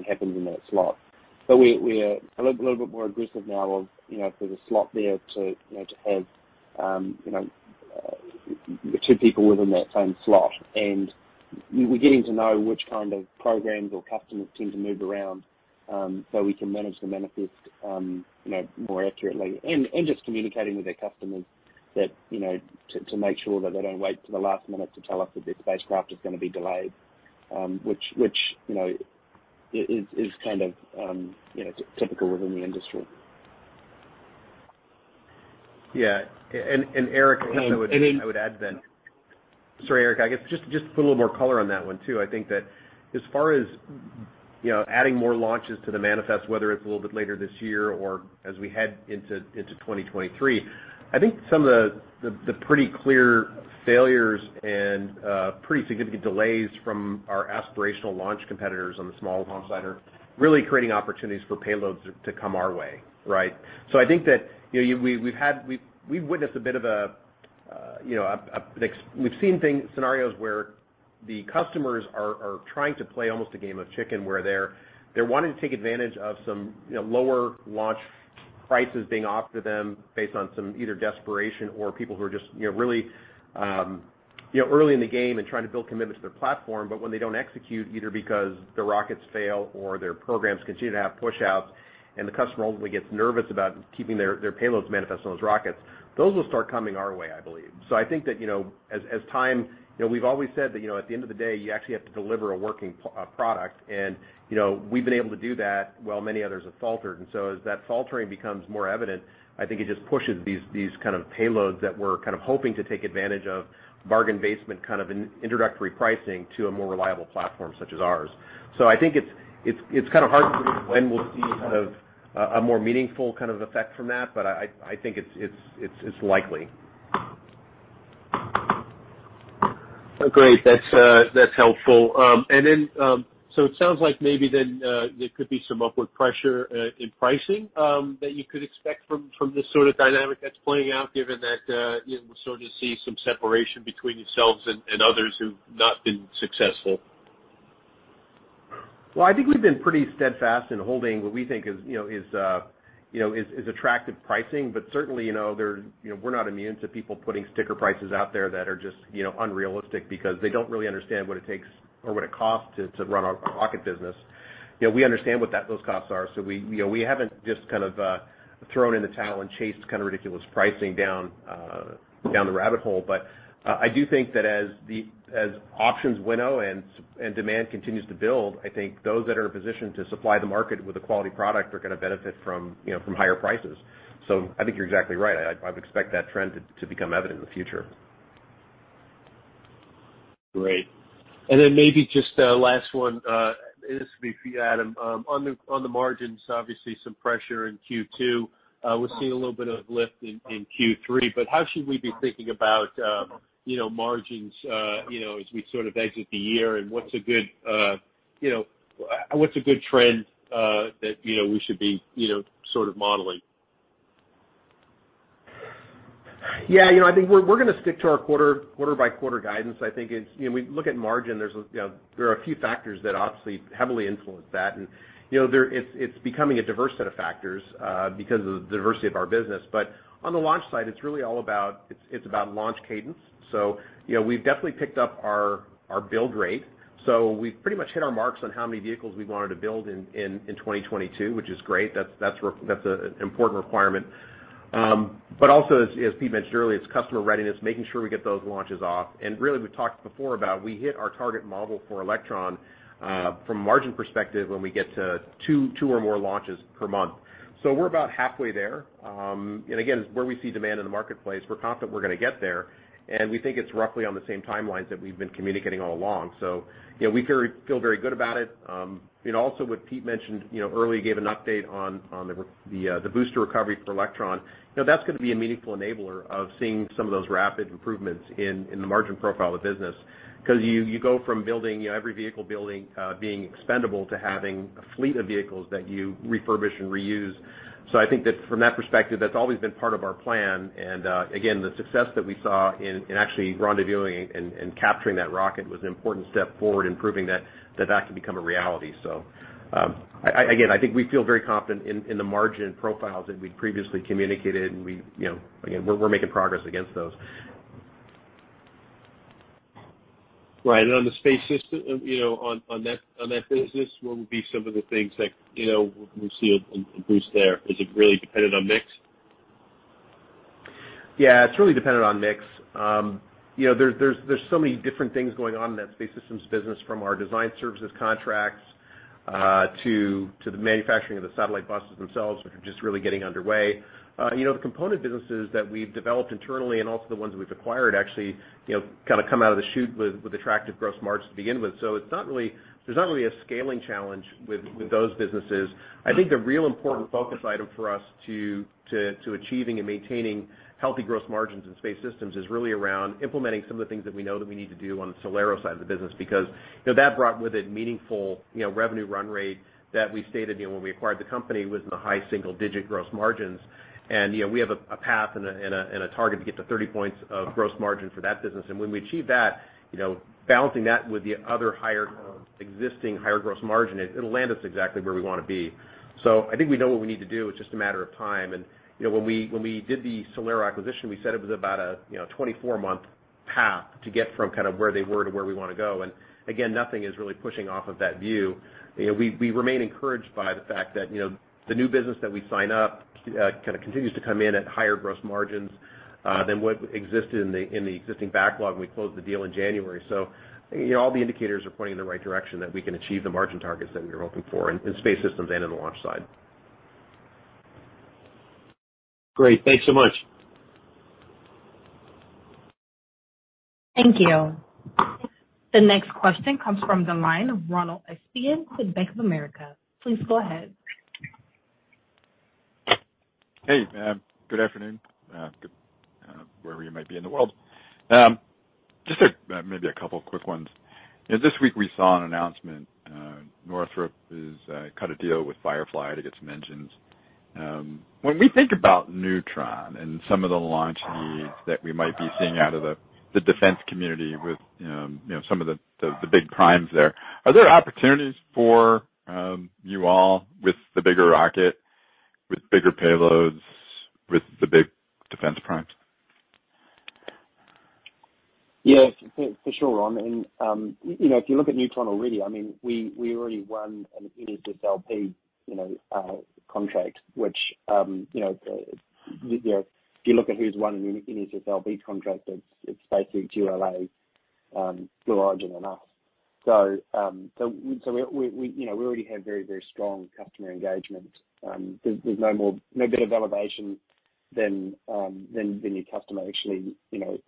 happens in that slot." We're a little bit more aggressive now of, you know, if there's a slot there to, you know, to have, you know, two people within that same slot. We're getting to know which kind of programs or customers tend to move around, so we can manage the manifest, you know, more accurately. Just communicating with our customers that, you know, to make sure that they don't wait to the last minute to tell us that their spacecraft is going to be delayed, which you know is kind of typical within the industry. Erik, I guess I would add then. Sorry, Erik. I guess just to put a little more color on that one too. I think that as far as, you know, adding more launches to the manifest, whether it's a little bit later this year or as we head into 2023, I think some of the pretty clear failures and pretty significant delays from our aspirational launch competitors on the small launch side are really creating opportunities for payloads to come our way, right? I think that, you know, we've witnessed a bit of a, you know, we've seen things, scenarios where the customers are trying to play almost a game of chicken, where they're wanting to take advantage of some, you know, lower launch prices being offered to them based on some either desperation or people who are just, you know, really, you know, early in the game and trying to build commitment to their platform. When they don't execute, either because their rockets fail or their programs continue to have pushouts and the customer ultimately gets nervous about keeping their payloads manifest on those rockets, those will start coming our way, I believe. I think that, you know, as time. You know, we've always said that, you know, at the end of the day, you actually have to deliver a working product. You know, we've been able to do that while many others have faltered. As that faltering becomes more evident, I think it just pushes these kind of payloads that we're kind of hoping to take advantage of bargain basement, kind of introductory pricing to a more reliable platform such as ours. I think it's kind of hard to predict when we'll see sort of a more meaningful kind of effect from that. I think it's likely. Oh, great. That's helpful. It sounds like maybe then there could be some upward pressure in pricing that you could expect from this sort of dynamic that's playing out, given that you know, we're starting to see some separation between yourselves and others who've not been successful. I think we've been pretty steadfast in holding what we think is, you know, attractive pricing. Certainly, you know, we're not immune to people putting sticker prices out there that are just, you know, unrealistic because they don't really understand what it takes or what it costs to run our rocket business. You know, we understand what those costs are. We, you know, haven't just kind of thrown in the towel and chased kind of ridiculous pricing down the rabbit hole. I do think that as options winnow and demand continues to build, I think those that are positioned to supply the market with a quality product are going to benefit from, you know, higher prices. I think you're exactly right. I expect that trend to become evident in the future. Great. Then maybe just a last one, and this will be for you, Adam. On the margins, obviously some pressure in Q2. We're seeing a little bit of lift in Q3, but how should we be thinking about, you know, margins, you know, as we sort of exit the year? What's a good trend, you know, that we should be, you know, sort of modeling? Yeah, you know, I think we're going to stick to our quarter by quarter guidance. I think it's, you know, when you look at margin, there are a few factors that obviously heavily influence that. You know, it's becoming a diverse set of factors because of the diversity of our business. On the launch side, it's really all about launch cadence. You know, we've definitely picked up our build rate, so we've pretty much hit our marks on how many vehicles we wanted to build in 2022, which is great. That's an important requirement. Also as Pete mentioned earlier, it's customer readiness, making sure we get those launches off. Really, we've talked before about we hit our target model for Electron from margin perspective when we get to two or more launches per month. We're about halfway there. And again, where we see demand in the marketplace, we're confident we're going to get there. We think it's roughly on the same timelines that we've been communicating all along. You know, we feel very good about it. You know, also what Pete mentioned earlier, he gave an update on the booster recovery for Electron. You know, that's going to be a meaningful enabler of seeing some of those rapid improvements in the margin profile of the business. Because you go from building every vehicle being expendable to having a fleet of vehicles that you refurbish and reuse. I think that from that perspective, that's always been part of our plan. Again, the success that we saw in actually rendezvousing and capturing that rocket was an important step forward in proving that that can become a reality. Again, I think we feel very confident in the margin profiles that we'd previously communicated. We, you know, again, we're making progress against those. Right. On the Space Systems business, you know, what would be some of the things that, you know, we'll see a boost there? Is it really dependent on mix? Yeah, it's really dependent on mix. You know, there's so many different things going on in that Space Systems business from our design services contracts to the manufacturing of the satellite buses themselves, which are just really getting underway. You know, the component businesses that we've developed internally and also the ones we've acquired actually kind of come out of the chute with attractive gross margins to begin with. So it's not really, there's not really a scaling challenge with those businesses. I think the real important focus item for us to achieving and maintaining healthy gross margins in Space Systems is really around implementing some of the things that we know that we need to do on the SolAero side of the business. Because, you know, that brought with it meaningful, you know, revenue run rate that we stated, you know, when we acquired the company was in the high single-digit gross margins. You know, we have a path and a target to get to 30 points of gross margin for that business. When we achieve that, you know, balancing that with the other higher existing gross margin, it'll land us exactly where we want to be. I think we know what we need to do. It's just a matter of time. You know, when we did the SolAero acquisition, we said it was about a, you know, a 24-month path to get from kind of where they were to where we want to go. Nothing is really pushing off of that view. You know, we remain encouraged by the fact that, you know, the new business that we sign up kind of continues to come in at higher gross margins than what existed in the existing backlog when we closed the deal in January. You know, all the indicators are pointing in the right direction that we can achieve the margin targets that we were hoping for in Space Systems and in the Launch side. Great. Thanks so much. Thank you. The next question comes from the line of Ron Epstein with Bank of America. Please go ahead. Hey, good afternoon, good wherever you might be in the world. Just maybe a couple quick ones. This week we saw an announcement, Northrop Grumman has cut a deal with Firefly Aerospace to get some engines. When we think about Neutron and some of the launch needs that we might be seeing out of the defense community with, you know, some of the big primes there, are there opportunities for you all with the bigger rocket, with bigger payloads, with the big defense primes? Yes, for sure, Ron. You know, if you look at Neutron already, I mean, we already won an NSSL contract, you know, if you look at who's won an NSSL contract, it's basically ULA, Blue Origin and us. So we already have very, very strong customer engagement. There's no better validation than your customer actually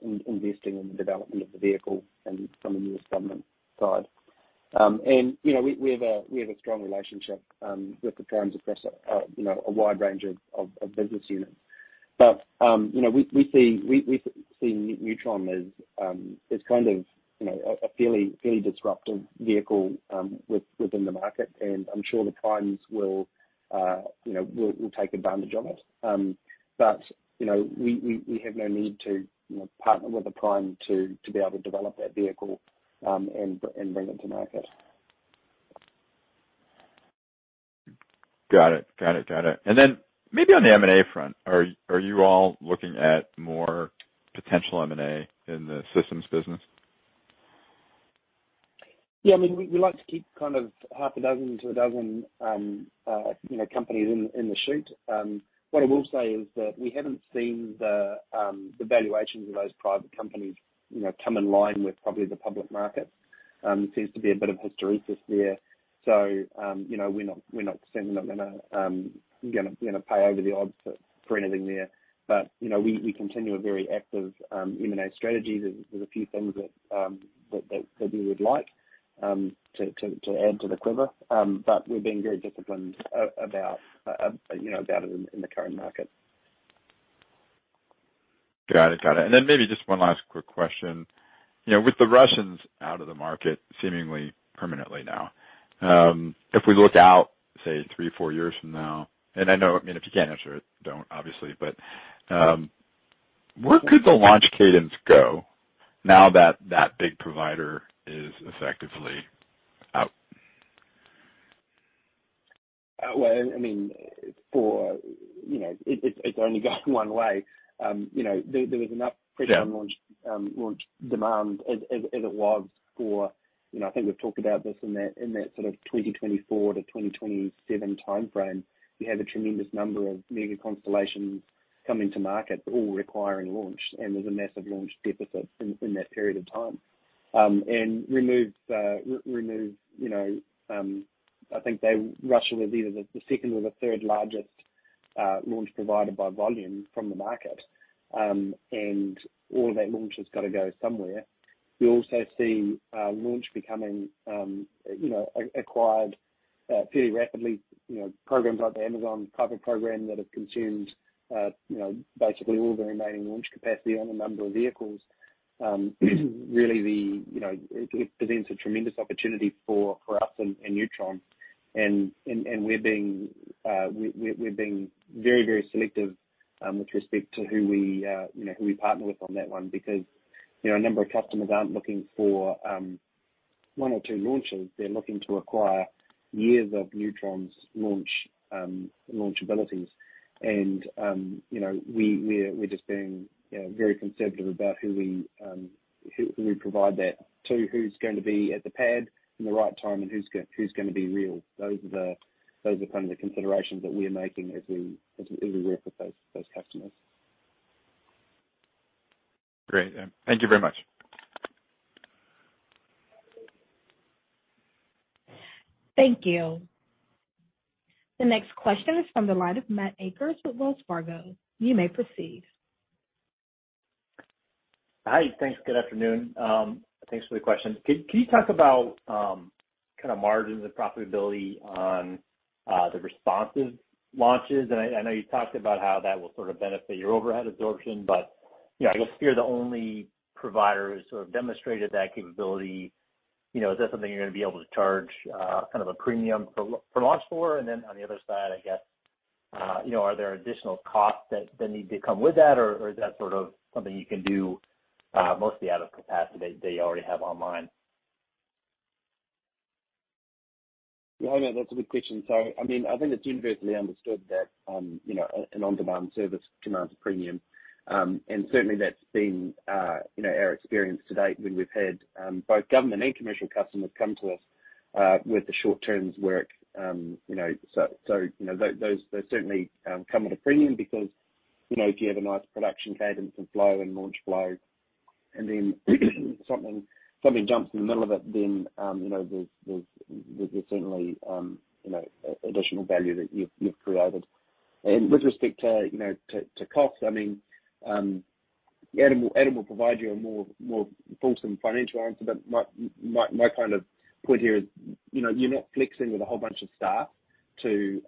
investing in the development of the vehicle and from a US government side. You know, we have a strong relationship with the primes across a wide range of business units. You know, we see Neutron as kind of, you know, a fairly disruptive vehicle within the market, and I'm sure the primes will, you know, take advantage of it. You know, we have no need to, you know, partner with a prime to be able to develop that vehicle, and bring it to market. Got it. Maybe on the M&A front, are you all looking at more potential M&A in the systems business? I mean, we like to keep kind of half a dozen to a dozen, you know, companies in the chute. What I will say is that we haven't seen the valuations of those private companies, you know, come in line with probably the public market. There seems to be a bit of hysteresis there. You know, we're certainly not going to pay over the odds for anything there. You know, we continue a very active M&A strategy. There's a few things that we would like to add to the quiver. We're being very disciplined about it in the current market. Got it. Then maybe just one last quick question. You know, with the Russians out of the market seemingly permanently now, if we look out, say, 3, 4 years from now, and I know, I mean, if you can't answer it, don't obviously, but, where could the launch cadence go now that that big provider is effectively out? Well, I mean, for you know. It's only gone one way. You know, there was enough. Yeah... pretty launch demand as it was for, you know, I think we've talked about this in that, in that sort of 2024-2027 timeframe. You have a tremendous number of mega constellations coming to market, all requiring launch, and there's a massive launch deficit in that period of time. Removal, you know, I think they, Russia was either the second or the third-largest launch provider by volume from the market. All of that launch has gotta go somewhere. We also see launch becoming, you know, acquired fairly rapidly, you know, programs like the Project Kuiper that have consumed, you know, basically all the remaining launch capacity on a number of vehicles. Really, you know, it presents a tremendous opportunity for us and Neutron. We're being very, very selective with respect to who we, you know, who we partner with on that one. Because, you know, a number of customers aren't looking for one or two launches. They're looking to acquire years of Neutron's launch abilities. You know, we're just being, you know, very conservative about who we, who we provide that to, who's going to be at the pad in the right time, and who's going to be real. Those are kind of the considerations that we are making as we work with those customers. Great. Thank you very much. Thank you. The next question is from the line of Matthew Akers with Wells Fargo. You may proceed. Hi. Thanks. Good afternoon. Thanks for the questions. Can you talk about kinda margins and profitability on the responsive launches? I know you talked about how that will sort of benefit your overhead absorption, but you know, I guess you're the only provider who's sort of demonstrated that capability. You know, is that something you're going to be able to charge kind of a premium for launch? Then on the other side, I guess you know, are there additional costs that need to come with that or is that sort of something you can do mostly out of capacity that you already have online? Yeah. I know that's a good question. I mean, I think it's universally understood that, you know, an on-demand service commands a premium. Certainly that's been, you know, our experience to date when we've had both government and commercial customers come to us with the short-term work, you know. Those certainly come at a premium because, you know, if you have a nice production cadence and flow and launch flow, and then something jumps in the middle of it, then, you know, there's certainly, you know, additional value that you've created. With respect to, you know, to costs, I mean, Adam will provide you a more fulsome financial answer, but my kind of point here is, you know, you're not flexing with a whole bunch of staff to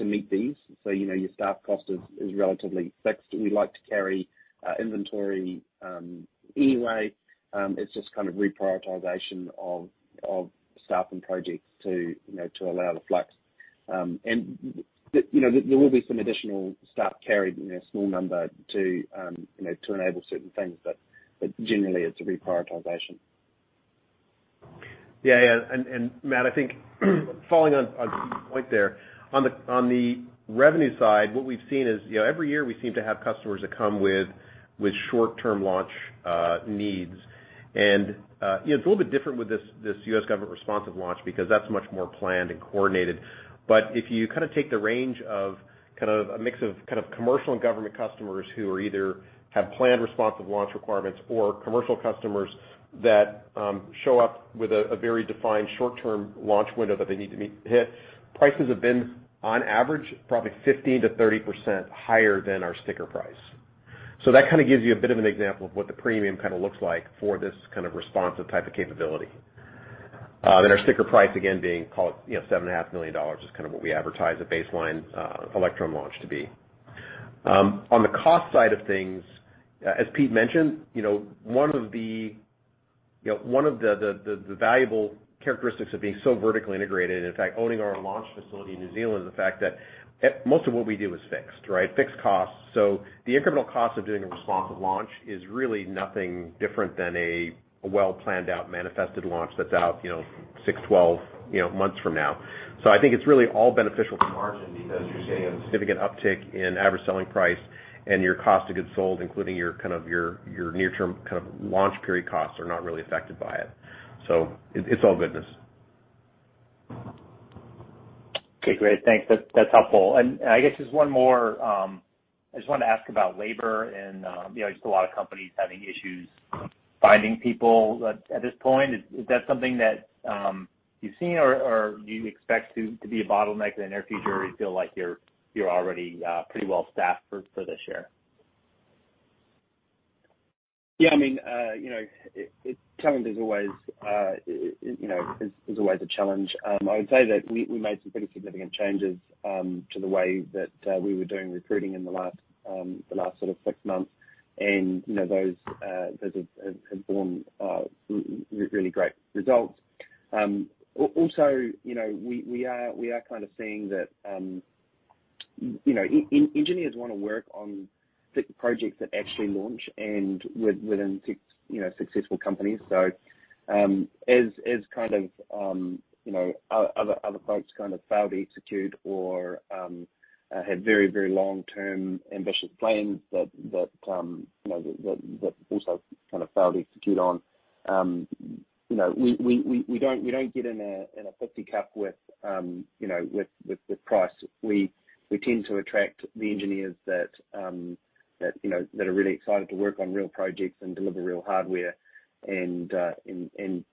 meet these. You know, your staff cost is relatively fixed. We like to carry inventory anyway. It's just kind of reprioritization of staff and projects to allow the flux. You know, there will be some additional staff carried in a small number to enable certain things, but generally it's a reprioritization. Yeah. Matt, I think following on your point there, on the revenue side, what we've seen is, you know, every year we seem to have customers that come with short-term launch needs. You know, it's a little bit different with this U.S. government responsive launch because that's much more planned and coordinated. If you kinda take the range of kind of a mix of kind of commercial and government customers who either have planned responsive launch requirements or commercial customers that show up with a very defined short-term launch window that they need to meet, hit, prices have been on average, probably 15%-30% higher than our sticker price. That kinda gives you a bit of an example of what the premium kinda looks like for this kind of responsive type of capability. Then our sticker price again being called, you know, $7.5 million is kind of what we advertise a baseline Electron launch to be. On the cost side of things, as Pete mentioned, you know, one of the valuable characteristics of being so vertically integrated, in fact, owning our own launch facility in New Zealand is the fact that most of what we do is fixed, right? Fixed costs. The incremental cost of doing a responsive launch is really nothing different than a well-planned out manifested launch that's out, you know, 6, 12 months from now. I think it's really all beneficial to margin because you're seeing a significant uptick in average selling price and your cost of goods sold, including your kind of near term kind of launch period costs are not really affected by it. It's all goodness. Okay, great. Thanks. That's helpful. I guess just one more. I just want to ask about labor and, you know, just a lot of companies having issues finding people at this point. Is that something that you've seen or do you expect to be a bottleneck in the near future, or you feel like you're already pretty well staffed for this year? Yeah, I mean, you know, talent is always a challenge. I would say that we made some pretty significant changes to the way that we were doing recruiting in the last sort of six months. You know, those have borne really great results. Also, you know, we are kind of seeing that, you know, engineers want to work on projects that actually launch and within, you know, successful companies. As kind of, you know, other folks kind of failed to execute or had very long-term ambitious plans that, you know, that also kind of failed to execute on. You know, we don't get into a pissing contest with price. We tend to attract the engineers that are really excited to work on real projects and deliver real hardware. You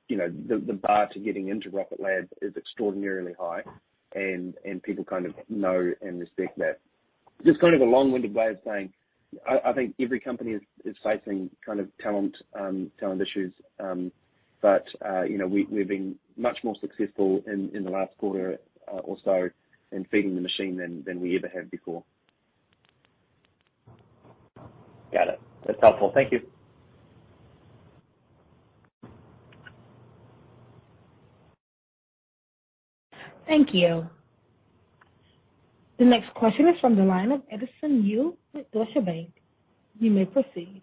know, the bar to getting into Rocket Lab is extraordinarily high, and people kind of know and respect that. Just kind of a long-winded way of saying I think every company is facing kind of talent issues. You know, we've been much more successful in the last quarter or so in feeding the machine than we ever have before. Got it. That's helpful. Thank you. Thank you. The next question is from the line of Edison Yu with Deutsche Bank. You may proceed.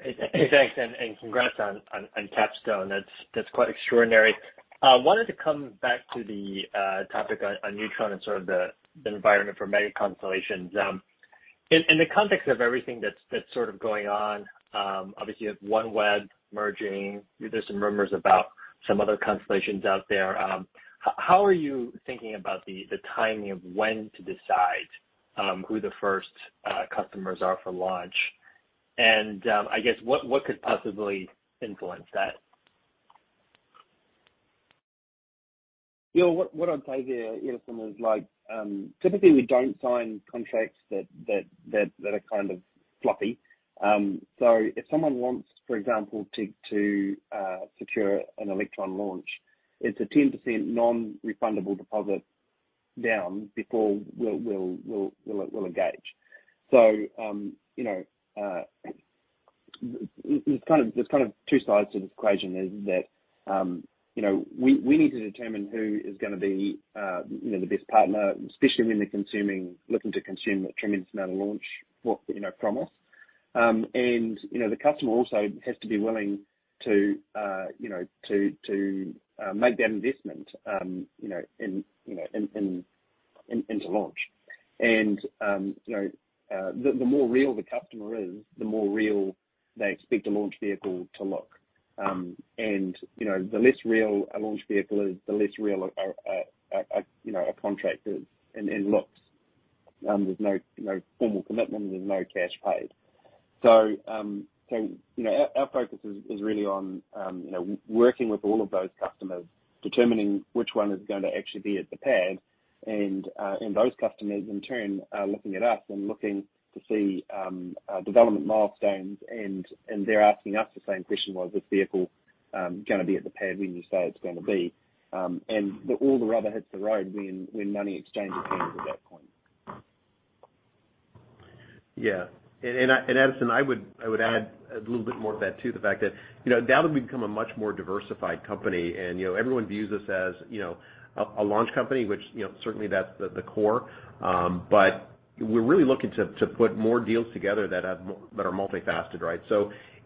Hey, thanks, and congrats on CAPSTONE. That's quite extraordinary. Wanted to come back to the topic on Neutron and sort of the environment for mega constellations. In the context of everything that's sort of going on, obviously you have OneWeb merging. There's some rumors about some other constellations out there. How are you thinking about the timing of when to decide who the first customers are for launch? I guess what could possibly influence that? You know, what I'd say there, Edison, is like, typically we don't sign contracts that are kind of floppy. If someone wants, for example, to secure an Electron launch, it's a 10% non-refundable deposit down before we'll engage. You know, there's kind of two sides to this equation, is that, you know, we need to determine who is going to be you know the best partner, especially when they're looking to consume a tremendous amount of launch, you know, from us. You know, the customer also has to be willing to you know to make that investment, you know, into launch. You know, the more real the customer is, the more real they expect a launch vehicle to look. You know, the less real a launch vehicle is, the less real a contract is and looks. You know, formal commitment. There's no cash paid. You know, our focus is really on you know, working with all of those customers, determining which one is going to actually be at the pad. Those customers in turn are looking at us and looking to see development milestones. They're asking us the same question, well, is this vehicle going to be at the pad when you say it's going to be? The rubber hits the road when money exchanges hands at that point. Yeah. Edison, I would add a little bit more to that, too, the fact that, you know, now that we've become a much more diversified company, and, you know, everyone views us as, you know, a launch company, which, you know, certainly that's the core. But we're really looking to put more deals together that have that are multifaceted, right?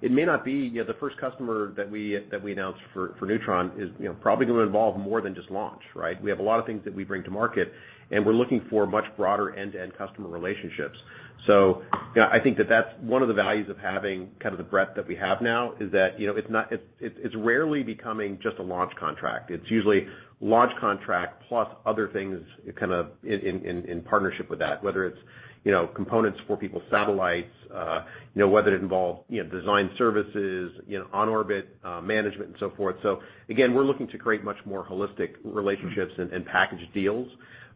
It may not be, you know, the first customer that we announced for Neutron is, you know, probably going to involve more than just launch, right? We have a lot of things that we bring to market, and we're looking for much broader end-to-end customer relationships. You know, I think that that's one of the values of having kind of the breadth that we have now, is that, you know, it's not, it's rarely becoming just a launch contract. It's usually launch contract plus other things kind of in partnership with that, whether it's, you know, components for people's satellites, you know, whether it involves, you know, design services, you know, on orbit management and so forth. We're looking to create much more holistic relationships and package deals.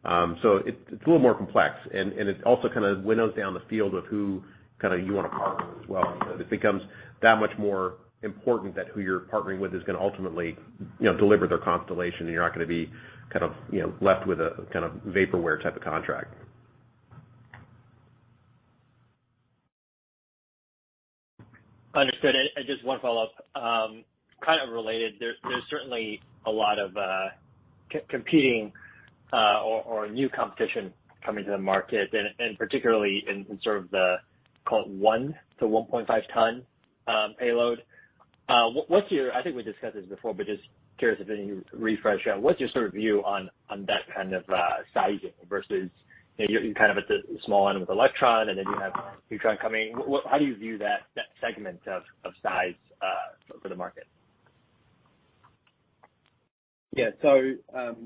It's a little more complex, and it also kind of winnows down the field of who kind of you want to partner with as well. It becomes that much more important that who you're partnering with is going to ultimately, you know, deliver their constellation, and you're not going to be kind of, you know, left with a kind of vaporware type of contract. Understood. Just one follow-up, kind of related. There's certainly a lot of competing or new competition coming to the market and particularly in sort of the call it 1-1.5-ton payload. I think we discussed this before, but just curious if any refresh. What's your sort of view on that kind of sizing versus, you know, you're kind of at the small end with Electron, and then you have Neutron coming. How do you view that segment of size for the market? Yeah. You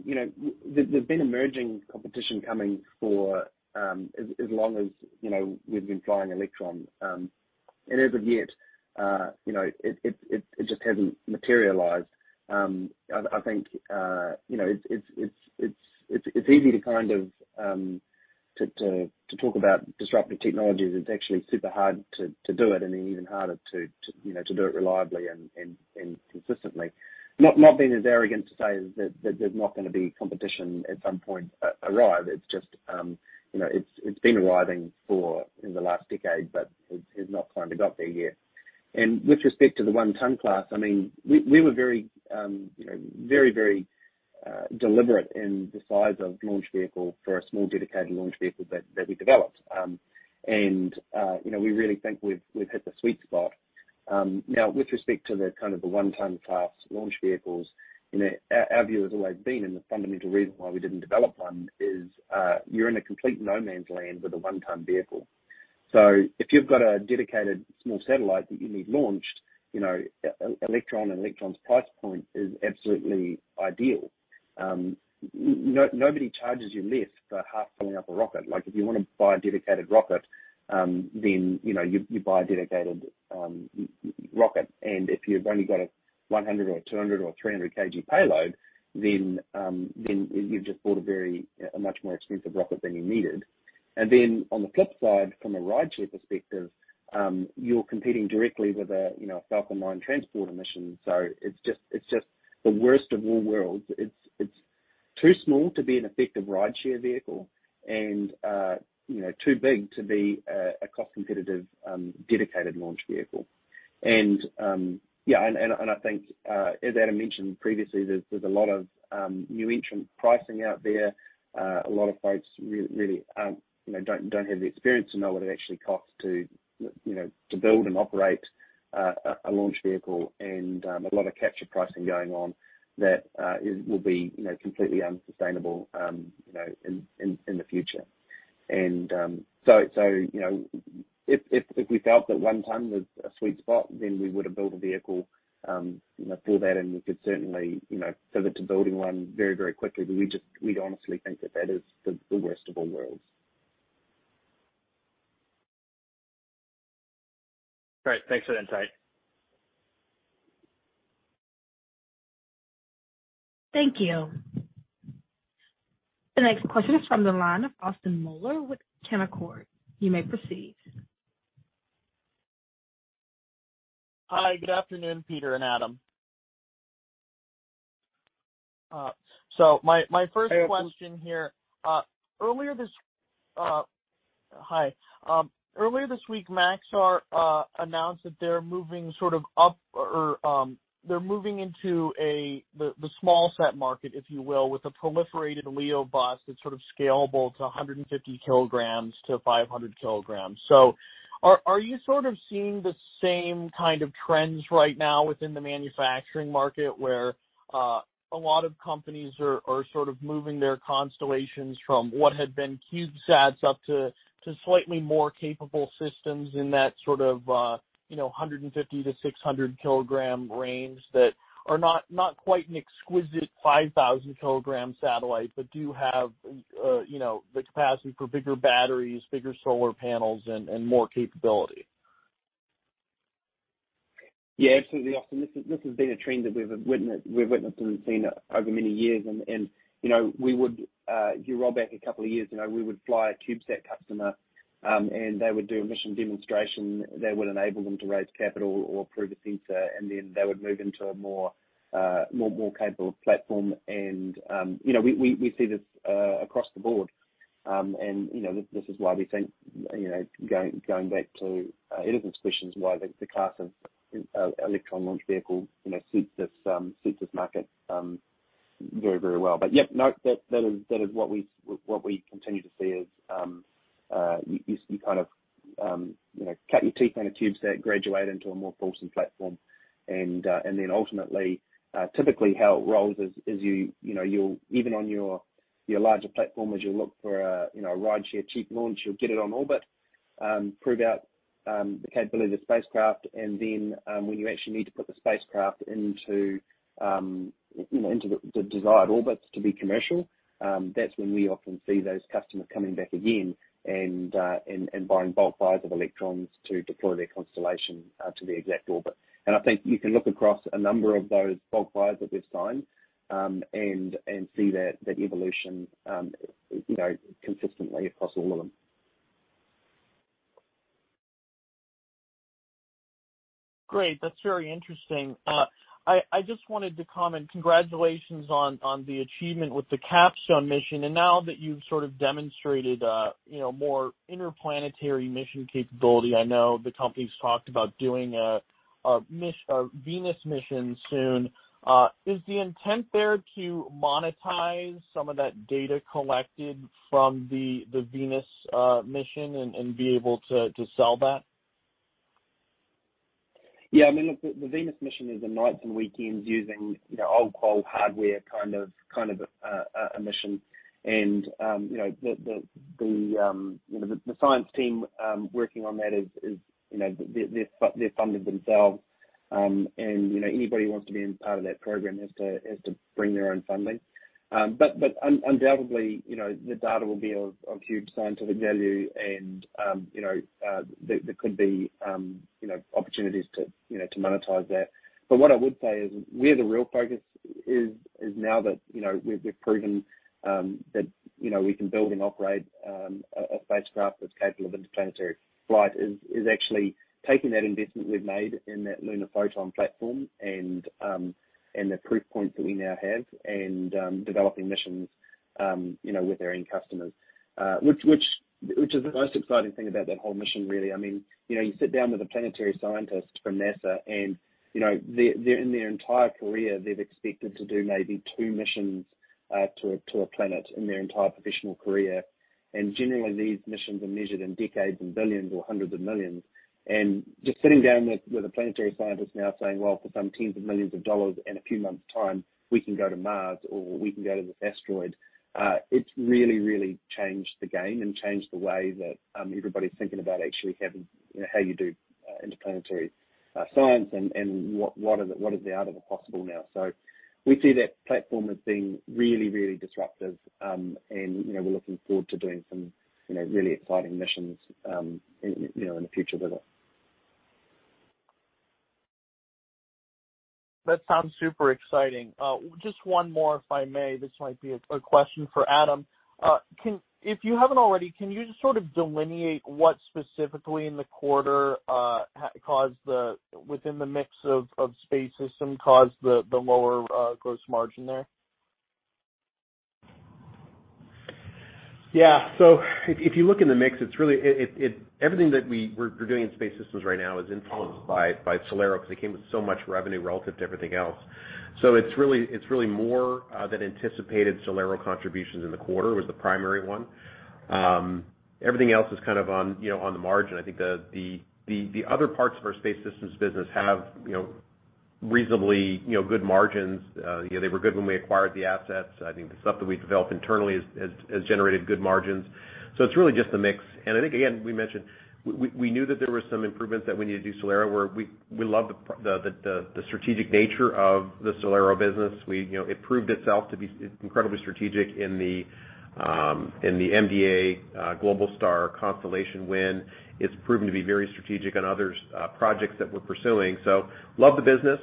know, there's been emerging competition coming for as long as, you know, we've been flying Electron. As of yet, you know, it just hasn't materialized. I think, you know, it's easy to kind of to talk about disruptive technologies. It's actually super hard to do it and even harder to do it reliably and consistently. Not being as arrogant to say that there's not going to be competition at some point arrive. It's just, you know, it's been arriving for in the last decade, but has not quite got there yet. With respect to the one ton class, I mean, we were very, you know, very deliberate in the size of launch vehicle for a small dedicated launch vehicle that we developed. You know, we really think we've hit the sweet spot. Now with respect to the kind of the one ton class launch vehicles, you know, our view has always been, and the fundamental reason why we didn't develop one is, you're in a complete no man's land with a one ton vehicle. So if you've got a dedicated small satellite that you need launched, you know, Electron and Electron's price point is absolutely ideal. Nobody charges you less for half filling up a rocket. Like, if you want to buy a dedicated rocket, then, you know, you buy a dedicated rocket. If you've only got a 100 or 200 or 300 kg payload, then you've just bought a much more expensive rocket than you needed. Then on the flip side, from a rideshare perspective, you're competing directly with, you know, a Falcon 9 Transporter mission. So it's just the worst of all worlds. It's too small to be an effective rideshare vehicle and, you know, too big to be a cost competitive dedicated launch vehicle. Yeah, and I think, as Adam mentioned previously, there's a lot of new entrant pricing out there. A lot of folks really, you know, don't have the experience to know what it actually costs to, you know, to build and operate a launch vehicle. A lot of capture pricing going on that will be, you know, completely unsustainable, you know, in the future. If we felt that 1 ton was a sweet spot, then we would have built a vehicle, you know, for that. We could certainly, you know, pivot to building one very quickly. We'd honestly think that is the worst of all worlds. Great. Thanks for the insight. Thank you. The next question is from the line of Austin Moeller with Canaccord. You may proceed. Hi. Good afternoon, Peter and Adam. My first question here. Earlier this week, Maxar announced that they're moving into the smallsat market, if you will, with a proliferated LEO bus that's sort of scalable to 150-500 kilograms. Are you sort of seeing the same kind of trends right now within the manufacturing market where a lot of companies are sort of moving their constellations from what had been CubeSats up to slightly more capable systems in that sort of you know 150-600 kilogram range that are not quite an exquisite 5,000-kilogram satellite, but do have you know the capacity for bigger batteries, bigger solar panels and more capability? Yeah, absolutely, Austin. This has been a trend that we've witnessed and seen over many years. You know, if you roll back a couple of years, you know, we would fly a CubeSat customer, and they would do a mission demonstration that would enable them to raise capital or prove a sensor, and then they would move into a more capable platform. You know, we see this across the board. You know, this is why we think, you know, going back to Edison's questions, why the class of Electron launch vehicle, you know, suits this market very well. Yep, no. That is what we continue to see is you kind of you know cut your teeth on a CubeSat, graduate into a more wholesome platform. Then ultimately typically how it rolls is you know you'll even on your larger platform, as you look for a you know a rideshare cheap launch, you'll get it on orbit, prove out the capability of the spacecraft. Then when you actually need to put the spacecraft into you know into the desired orbits to be commercial, that's when we often see those customers coming back again and buying bulk buys of Electrons to deploy their constellation to the exact orbit. I think you can look across a number of those bulk buyers that we've signed, and see that evolution, you know, consistently across all of them. Great. That's very interesting. I just wanted to comment. Congratulations on the achievement with the CAPSTONE mission. Now that you've sort of demonstrated you know, more interplanetary mission capability, I know the company's talked about doing a Venus mission soon. Is the intent there to monetize some of that data collected from the Venus mission and be able to sell that? I mean, look, the Venus mission is a nights and weekends using, you know, old, cold hardware kind of a mission. You know, the science team working on that is, you know, they fund themselves. You know, anybody who wants to be a part of that program has to bring their own funding. Undoubtedly, you know, the data will be of huge scientific value and, you know, there could be, you know, opportunities to, you know, to monetize that. What I would say is where the real focus is now that, you know, we've proven that, you know, we can build and operate a spacecraft that's capable of interplanetary flight is actually taking that investment we've made in that Lunar Photon platform and the proof points that we now have and developing missions, you know, with our end customers. Which is the most exciting thing about that whole mission, really. I mean, you know, you sit down with a planetary scientist from NASA and, you know, they're in their entire career, they've expected to do maybe two missions to a planet in their entire professional career. Generally, these missions are measured in decades and billions or hundreds of millions. Just sitting down with a planetary scientist now saying, "Well, for some tens of millions of dollars and a few months' time, we can go to Mars or we can go to this asteroid," it's really changed the game and changed the way that everybody's thinking about actually having, you know, how you do interplanetary science and what is the out of the possible now. We see that platform as being really disruptive. You know, we're looking forward to doing some, you know, really exciting missions, you know, in the future with it. That sounds super exciting. Just one more, if I may. This might be a question for Adam. If you haven't already, can you just sort of delineate what specifically in the quarter within the mix of Space Systems caused the lower gross margin there? Yeah. If you look in the mix, it's really. Everything that we're doing in Space Systems right now is influenced by SolAero because it came with so much revenue relative to everything else. It's really more than anticipated SolAero contributions in the quarter was the primary one. Everything else is kind of on, you know, on the margin. I think the other parts of our Space Systems business have, you know, reasonably, you know, good margins. You know, they were good when we acquired the assets. I think the stuff that we developed internally has generated good margins. It's really just the mix. I think again, we mentioned we knew that there were some improvements that we need to do SolAero, where we love the the strategic nature of the SolAero business. We, you know, it proved itself to be incredibly strategic in the in the MDA Globalstar constellation win. It's proven to be very strategic on others projects that we're pursuing. Love the business.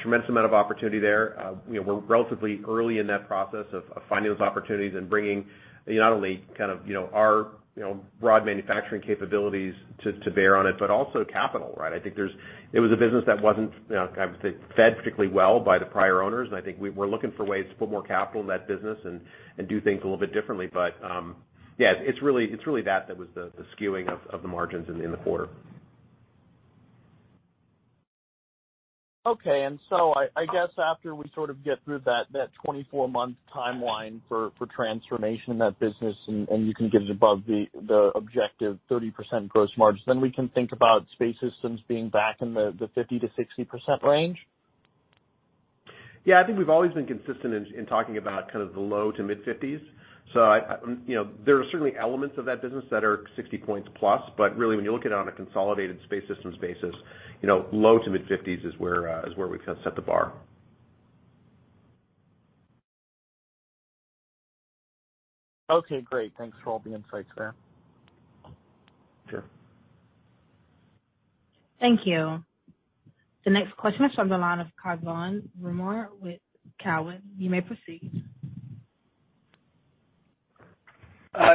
Tremendous amount of opportunity there. You know, we're relatively early in that process of finding those opportunities and bringing not only kind of, you know, our, you know, broad manufacturing capabilities to bear on it, but also capital, right? I think there's. It was a business that wasn't, you know, kind of fed particularly well by the prior owners. I think we're looking for ways to put more capital in that business and do things a little bit differently. Yeah, it's really that was the skewing of the margins in the quarter. Okay. I guess after we sort of get through that 24-month timeline for transformation in that business and you can get us above the objective 30% gross margin, then we can think about Space Systems being back in the 50%-60% range. Yeah. I think we've always been consistent in talking about kind of the low- to mid-50s%. I you know, there are certainly elements of that business that are 60%+. Really, when you look at it on a consolidated Space Systems basis, you know, low- to mid-50s% is where we kind of set the bar. Okay, great. Thanks for all the insights there. Sure. Thank you. The next question is from the line of Cai von Rumohr with Cowen. You may proceed.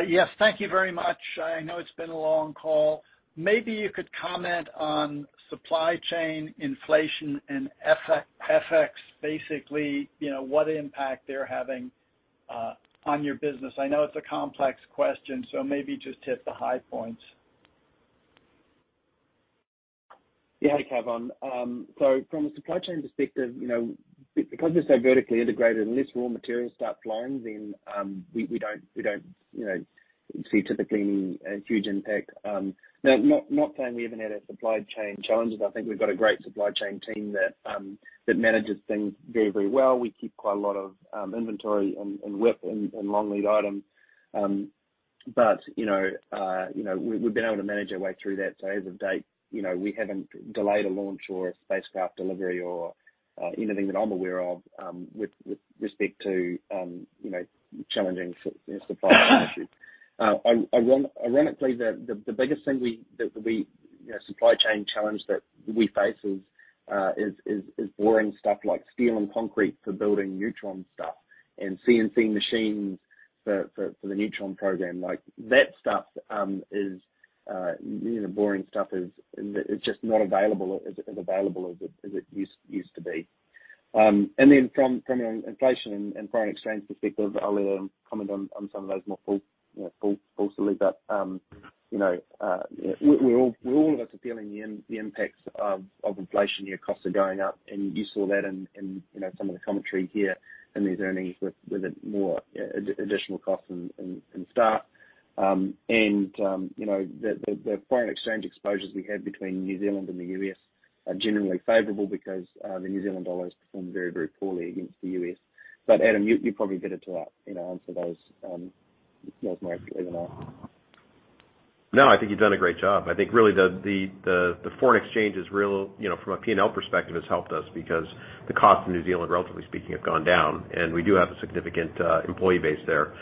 Yes, thank you very much. I know it's been a long call. Maybe you could comment on supply chain inflation and FX, basically, you know, what impact they're having on your business. I know it's a complex question, so maybe just hit the high points. Yeah. Hey, Cai von Rumohr. From a supply chain perspective, you know, because we're so vertically integrated, unless raw materials stop flowing, then we don't typically see any huge impact. Now, not saying we haven't had any supply chain challenges. I think we've got a great supply chain team that manages things very, very well. We keep quite a lot of inventory and WIP and long lead items. But you know, we've been able to manage our way through that. To date, you know, we haven't delayed a launch or a spacecraft delivery or anything that I'm aware of with respect to challenging supply chain issues. Ironically, the biggest supply chain challenge that we face is boring stuff like steel and concrete for building Neutron stuff and CNC machines for the Neutron program. Like that stuff, you know, boring stuff is, it's just not available as available as it used to be. And then from an inflation and foreign exchange perspective, I'll let Adam comment on some of those more fully, but, you know, we're all of us are feeling the impacts of inflation. Your costs are going up. You saw that in, you know, some of the commentary here in these earnings with more additional costs in staff. You know, the foreign exchange exposures we have between New Zealand and the US are generally favorable because the New Zealand dollar has performed very, very poorly against the US. Adam, you're probably better to you know, answer those more accurately than I. No, I think you've done a great job. I think really the foreign exchange is real. You know, from a P&L perspective has helped us because the cost of New Zealand, relatively speaking, have gone down. We do have a significant employee base there.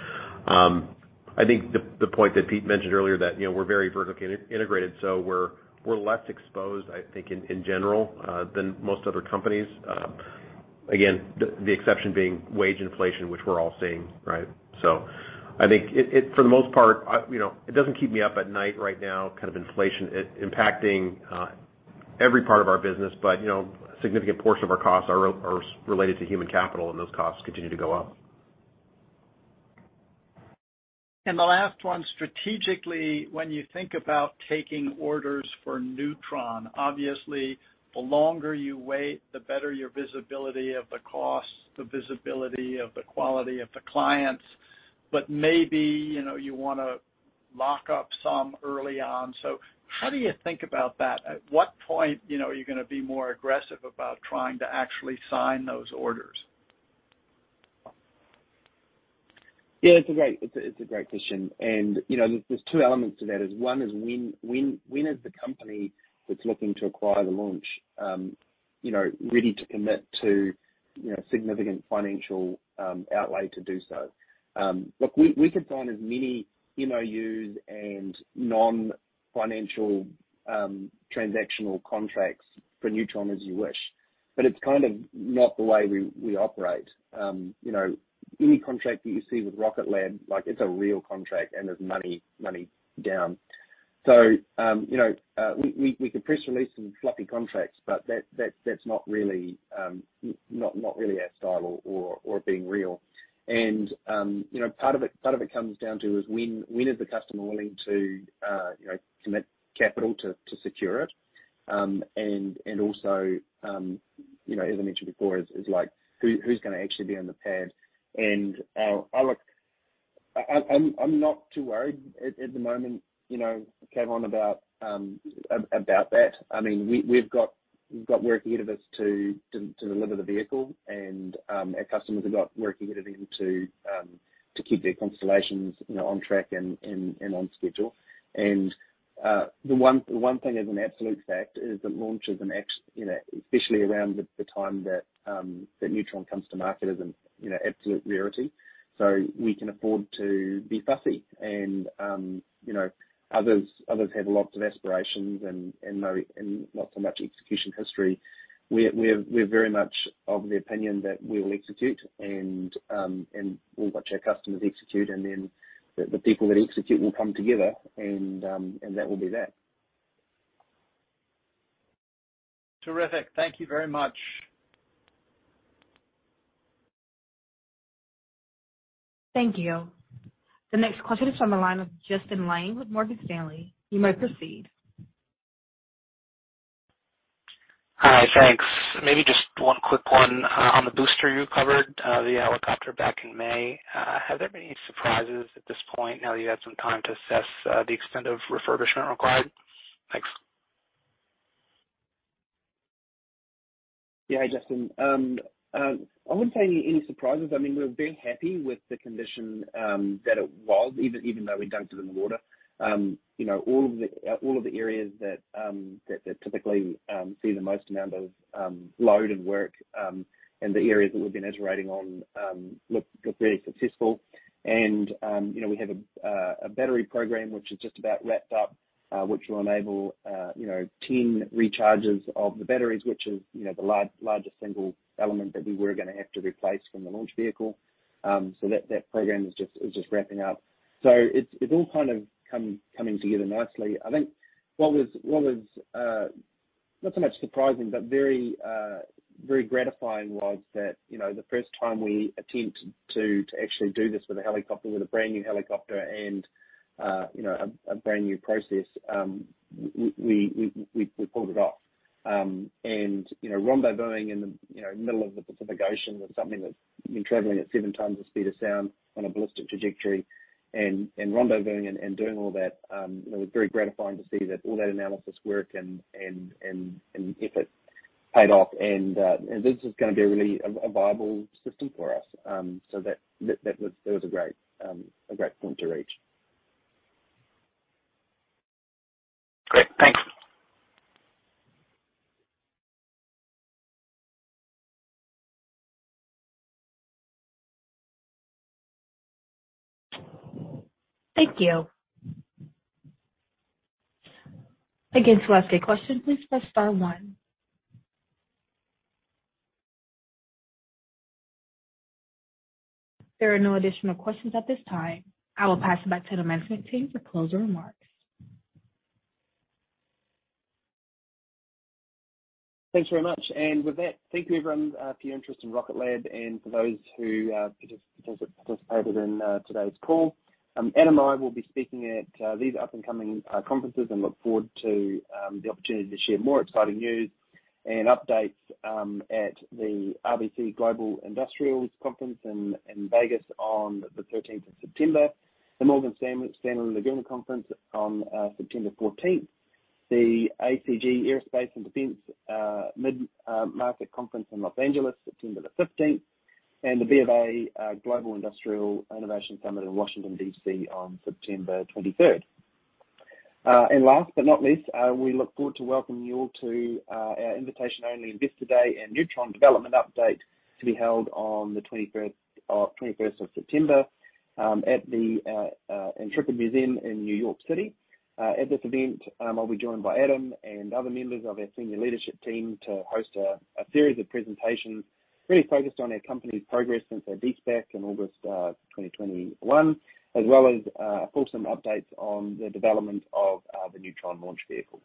I think the point that Pete mentioned earlier that, you know, we're very vertically integrated, so we're less exposed, I think, in general than most other companies. Again, the exception being wage inflation, which we're all seeing, right? I think it for the most part, you know, it doesn't keep me up at night, right now, inflation impacting every part of our business. You know, a significant portion of our costs are related to human capital, and those costs continue to go up. The last one. Strategically, when you think about taking orders for Neutron, obviously, the longer you wait, the better your visibility of the cost, the visibility of the quality of the clients. Maybe, you know, you want to lock up some early on. How do you think about that? At what point, you know, are you going to be more aggressive about trying to actually sign those orders? Yeah, it's a great question. You know, there's two elements to that. One is when is the company that's looking to acquire the launch ready to commit to significant financial outlay to do so? Look, we could sign as many loose and non-financial transactional contracts for Neutron as you wish, but it's kind of not the way we operate. You know, any contract that you see with Rocket Lab, like it's a real contract and there's money down. We can press release some fluffy contracts, but that's not really our style or being real. You know, part of it comes down to is when the customer is willing to, you know, commit capital to secure it. Also, you know, as I mentioned before, is like who's going to actually be on the pad? I'm not too worried at the moment, you know, Cai von Rumohr, about that. I mean, we've got work ahead of us to deliver the vehicle and our customers have got work ahead of them to keep their constellations, you know, on track and on schedule. The one thing as an absolute fact is that launch is an ex. You know, especially around the time that Neutron comes to market as an you know absolute rarity. We can afford to be fussy and others have lots of aspirations and not so much execution history. We're very much of the opinion that we will execute and we'll watch our customers execute. The people that execute will come together and that will be that. Terrific. Thank you very much. Thank you. The next question is from the line of Kristine Liwag with Morgan Stanley. You may proceed. Hi. Thanks. Maybe just one quick one, on the booster you covered, the helicopter back in May. Have there been any surprises at this point now that you've had some time to assess, the extent of refurbishment required? Thanks. Yeah. Kristine Liwag, I wouldn't say any surprises. I mean, we're very happy with the condition that it was, even though we dumped it in the water. You know, all of the areas that typically see the most amount of load and work, and the areas that we've been iterating on look very successful. You know, we have a battery program which is just about wrapped up, which will enable, you know, 10 recharges of the batteries, which is, you know, the largest single element that we were going to have to replace from the launch vehicle. That program is just wrapping up. It's all kind of coming together nicely. I think what was not so much surprising, but very very gratifying was that, you know, the first time we attempted to actually do this with a helicopter, with a brand new helicopter and, you know, a brand new process, we pulled it off. You know, rendezvousing in the middle of the Pacific Ocean with something that's been traveling at seven times the speed of sound on a ballistic trajectory and rendezvousing and doing all that, you know, very gratifying to see that all that analysis work and effort paid off. This is going to be really a viable system for us. That was a great point to reach. Great. Thanks. Thank you. Again, to ask a question, please press star one. There are no additional questions at this time. I will pass it back to the management team for closing remarks. Thanks very much. With that, thank you everyone for your interest in Rocket Lab and for those who participated in today's call. Adam and I will be speaking at these up-and-coming conferences and look forward to the opportunity to share more exciting news and updates at the RBC Capital Markets Global Industrials Conference in Vegas on the thirteenth of September, the Morgan Stanley Laguna Conference on September fourteenth, the ACG Aerospace & Defense Mid-Market Conference in Los Angeles, September the fifteenth, and the BofA Global Industrials Innovation Summit in Washington, D.C., on September twenty-third. Last but not least, we look forward to welcome you all to our invitation-only Investor Day and Neutron development update to be held on the twenty-third or twenty-first of September at the Intrepid Museum in New York City. At this event, I'll be joined by Adam and other members of our senior leadership team to host a series of presentations really focused on our company's progress since our de-SPAC in August 2021, as well as fulsome updates on the development of the Neutron launch vehicle.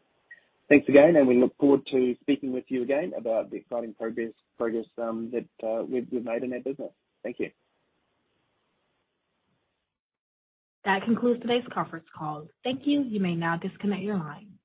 Thanks again, and we look forward to speaking with you again about the exciting progress that we've made in our business. Thank you. That concludes today's conference call. Thank you. You may now disconnect your line.